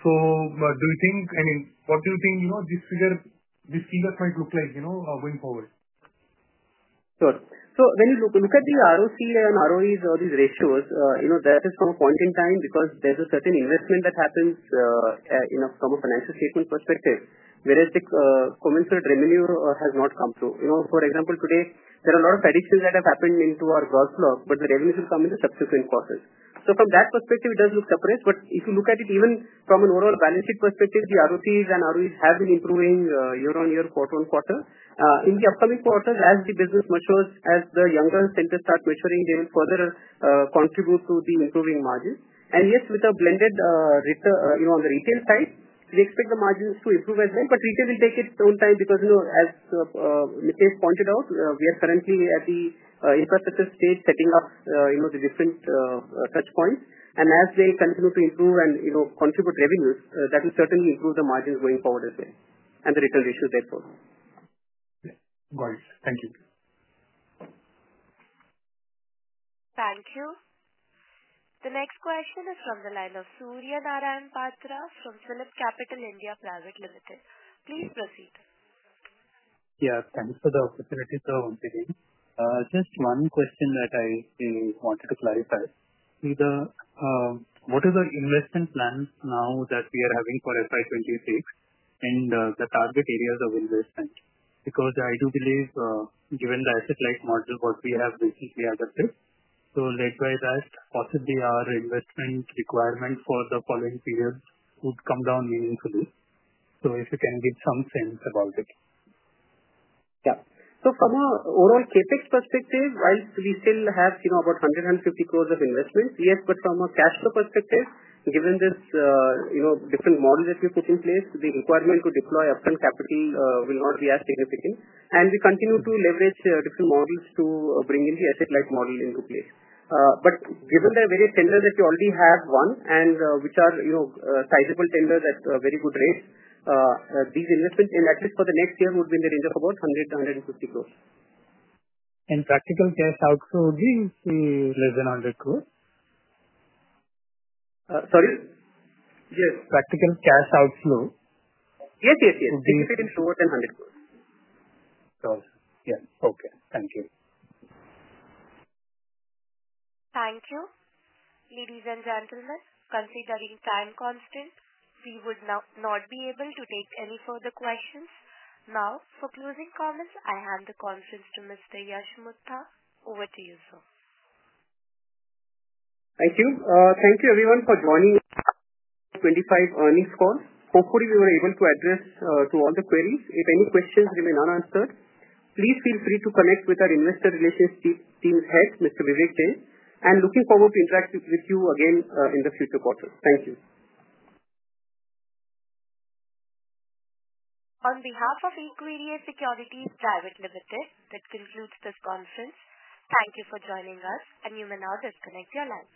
do you think, I mean, what do you think this figure might look like going forward? Sure. When you look at the ROC and ROEs or these ratios, that is from a point in time because there is a certain investment that happens from a financial statement perspective, whereas the commensurate revenue has not come through. For example, today, there are a lot of additions that have happened into our growth block, but the revenues will come in the subsequent quarters. From that perspective, it does look surprised. If you look at it even from an overall balance sheet perspective, the ROCs and ROEs have been improving year-on-year, quarter-on-quarter. In the upcoming quarters, as the business matures, as the younger centers start maturing, they will further contribute to the improving margins. Yes, with a blended return on the retail side, we expect the margins to improve as well. Retail will take its own time because as Mitesh pointed out, we are currently at the infrastructure stage setting up the different touchpoints. As they continue to improve and contribute revenues, that will certainly improve the margins going forward as well, and the return ratios therefore. Got it. Thank you. Thank you. The next question is from the line of Surya Narayan Patra from PhillipCapital (India) Pvt Ltd. Please proceed. Yeah. Thanks for the opportunity, sir, once again. Just one question that I wanted to clarify. What is the investment plan now that we are having for FY 2026 and the target areas of investment? Because I do believe, given the asset-light model, what we have recently adopted, led by that, possibly our investment requirement for the following period would come down meaningfully. If you can give some sense about it. Yeah. From an overall CapEx perspective, while we still have about 100 crore-150 crore of investment, yes, from a cash flow perspective, given this different model that we put in place, the requirement to deploy upfront capital will not be as significant. We continue to leverage different models to bring in the asset-light model into place. Given the various tenders that we already have won, and which are sizable tenders at very good rates, these investments, at least for the next year, would be in the range of about 100 crore-150 crore. In practical cash outflow, would we see less than 100 crores? Sorry? Yes. Practical cash outflow. Yes, yes, yes. Significantly lower than 100 crores. Got it. Yeah. Okay. Thank you. Thank you. Ladies and gentlemen, considering time constraint, we would not be able to take any further questions. Now, for closing comments, I hand the conference to Mr. Yash Mutha. Over to you, sir. Thank you. Thank you, everyone, for joining us. 2025 earnings call. Hopefully, we were able to address all the queries. If any questions remain unanswered, please feel free to connect with our Investor Relations team's Head, Mr. Vivek Jain, and looking forward to interacting with you again in the future quarter. Thank you. On behalf of Equirus Securities Private Limited, that concludes this conference. Thank you for joining us, and you may now disconnect your line.